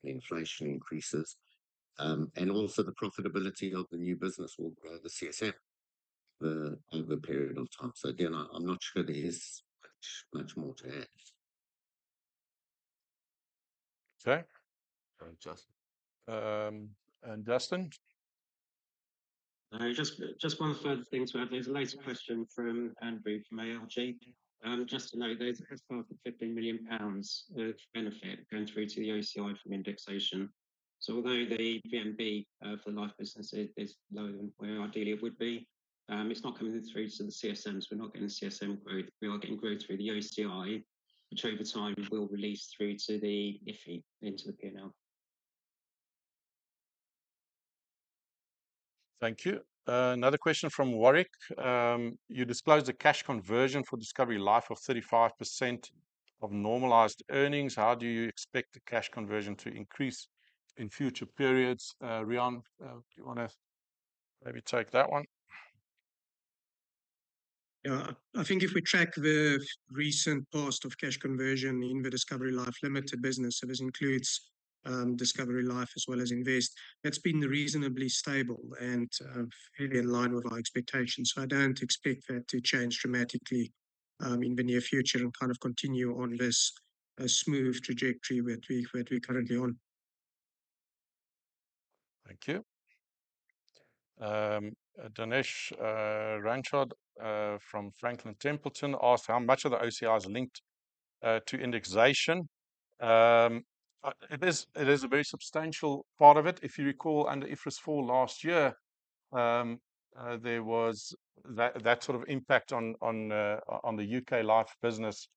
the inflation increases. And also the profitability of the new business will grow the CSM for over a period of time. So again, I, I'm not sure there is much, much more to add. Okay. Um, Justin. And Justin? Just one further thing to add. There's a later question from Andrew, from Absa. Just to note, there's approximately 15 million pounds of benefit going through to the OCI from indexation. So although the VNB for the life business is lower than where ideally it would be, it's not coming through to the CSMs. We're not getting CSM growth. We are getting growth through the OCI, which over time will release through to the IFI into the P&L. Thank you. Another question from Warwick: You disclosed the cash conversion for Discovery Life of 35% of normalized earnings. How do you expect the cash conversion to increase in future periods? Riaan, do you wanna maybe take that one? Yeah. I think if we track the recent past of cash conversion in the Discovery Life Limited business, so this includes Discovery Life as well as Invest, that's been reasonably stable and really in line with our expectations. So I don't expect that to change dramatically in the near future and kind of continue on this smooth trajectory which we're currently on. Thank you. Danesh Ranchhod from Franklin Templeton asked: How much of the OCI is linked to indexation? It is a very substantial part of it. If you recall, under IFRS 4 last year, there was that sort of impact on the UK Life business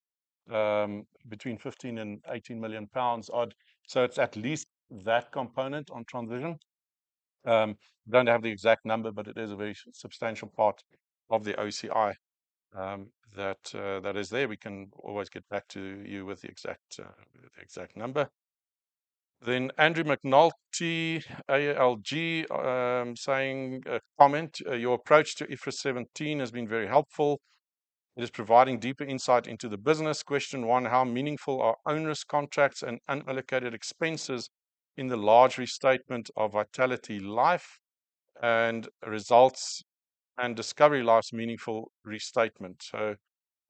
between 15 million and 18 million pounds odd. So it's at least that component on transition. Don't have the exact number, but it is a very substantial part of the OCI that is there. We can always get back to you with the exact number. Then Andrew McNulty, Absa CIB, saying comment: "Your approach to IFRS 17 has been very helpful. It is providing deeper insight into the business. Question one, how meaningful are onerous contracts and unallocated expenses in the large restatement of VitalityLife and results and Discovery Life's meaningful restatement? So,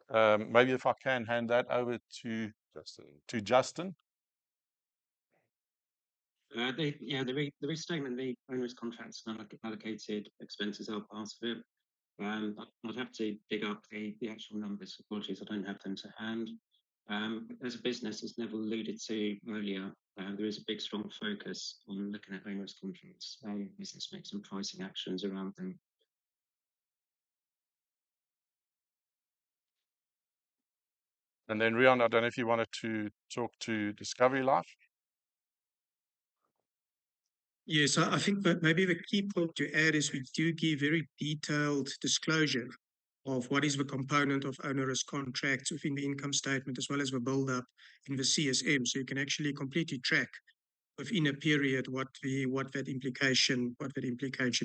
maybe if I can hand that over to- Justin. To Justin. Yeah, the restatement, the onerous contracts and unallocated expenses are part of it. I'd have to dig up the actual numbers. Apologies, I don't have them to hand. As a business, as Neville alluded to earlier, there is a big strong focus on looking at onerous contracts and business mix and pricing actions around them. Riaan, I don't know if you wanted to talk to Discovery Life? Yes. I think that maybe the key point to add is we do give very detailed disclosure of what is the component of onerous contracts within the income statement, as well as the build-up in the CSM. So you can actually completely track within a period what that implication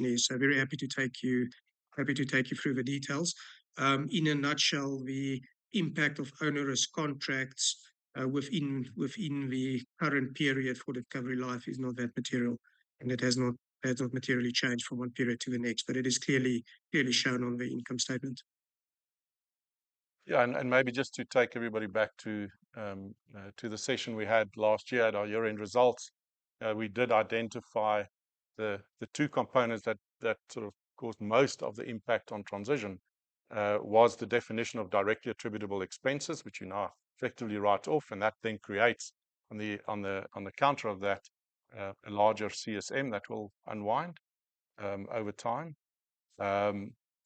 is. So very happy to take you through the details. In a nutshell, the impact of onerous contracts within the current period for Discovery Life is not that material, and it has not materially changed from one period to the next, but it is clearly shown on the income statement. Yeah, and maybe just to take everybody back to the session we had last year at our year-end results. We did identify the two components that sort of caused most of the impact on transition was the definition of directly attributable expenses, which you now effectively write off, and that then creates on the counter of that a larger CSM that will unwind over time.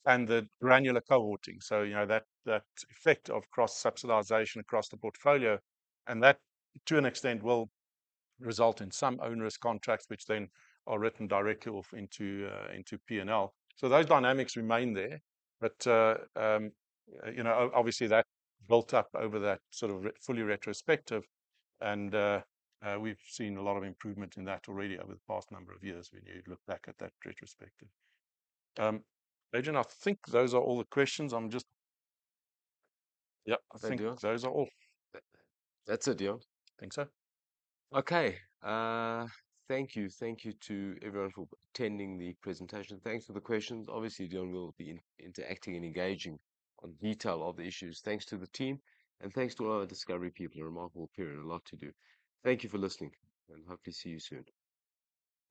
And the granular cohorting, so, you know, that effect of cross-subsidization across the portfolio, and that, to an extent, will result in some onerous contracts, which then are written directly off into P&L. So those dynamics remain there, but, you know, obviously, that built up over that sort of fully retrospective and, we've seen a lot of improvement in that already over the past number of years when you look back at that retrospective. Adrian, I think those are all the questions. I'm just... Yep, I think. Those are all. That's it, Deon. Think so. Okay. Thank you. Thank you to everyone for attending the presentation. Thanks for the questions. Obviously, Deon will be interacting and engaging on detail of the issues. Thanks to the team, and thanks to all our Discovery people. A remarkable period, a lot to do. Thank you for listening, and hopefully see you soon.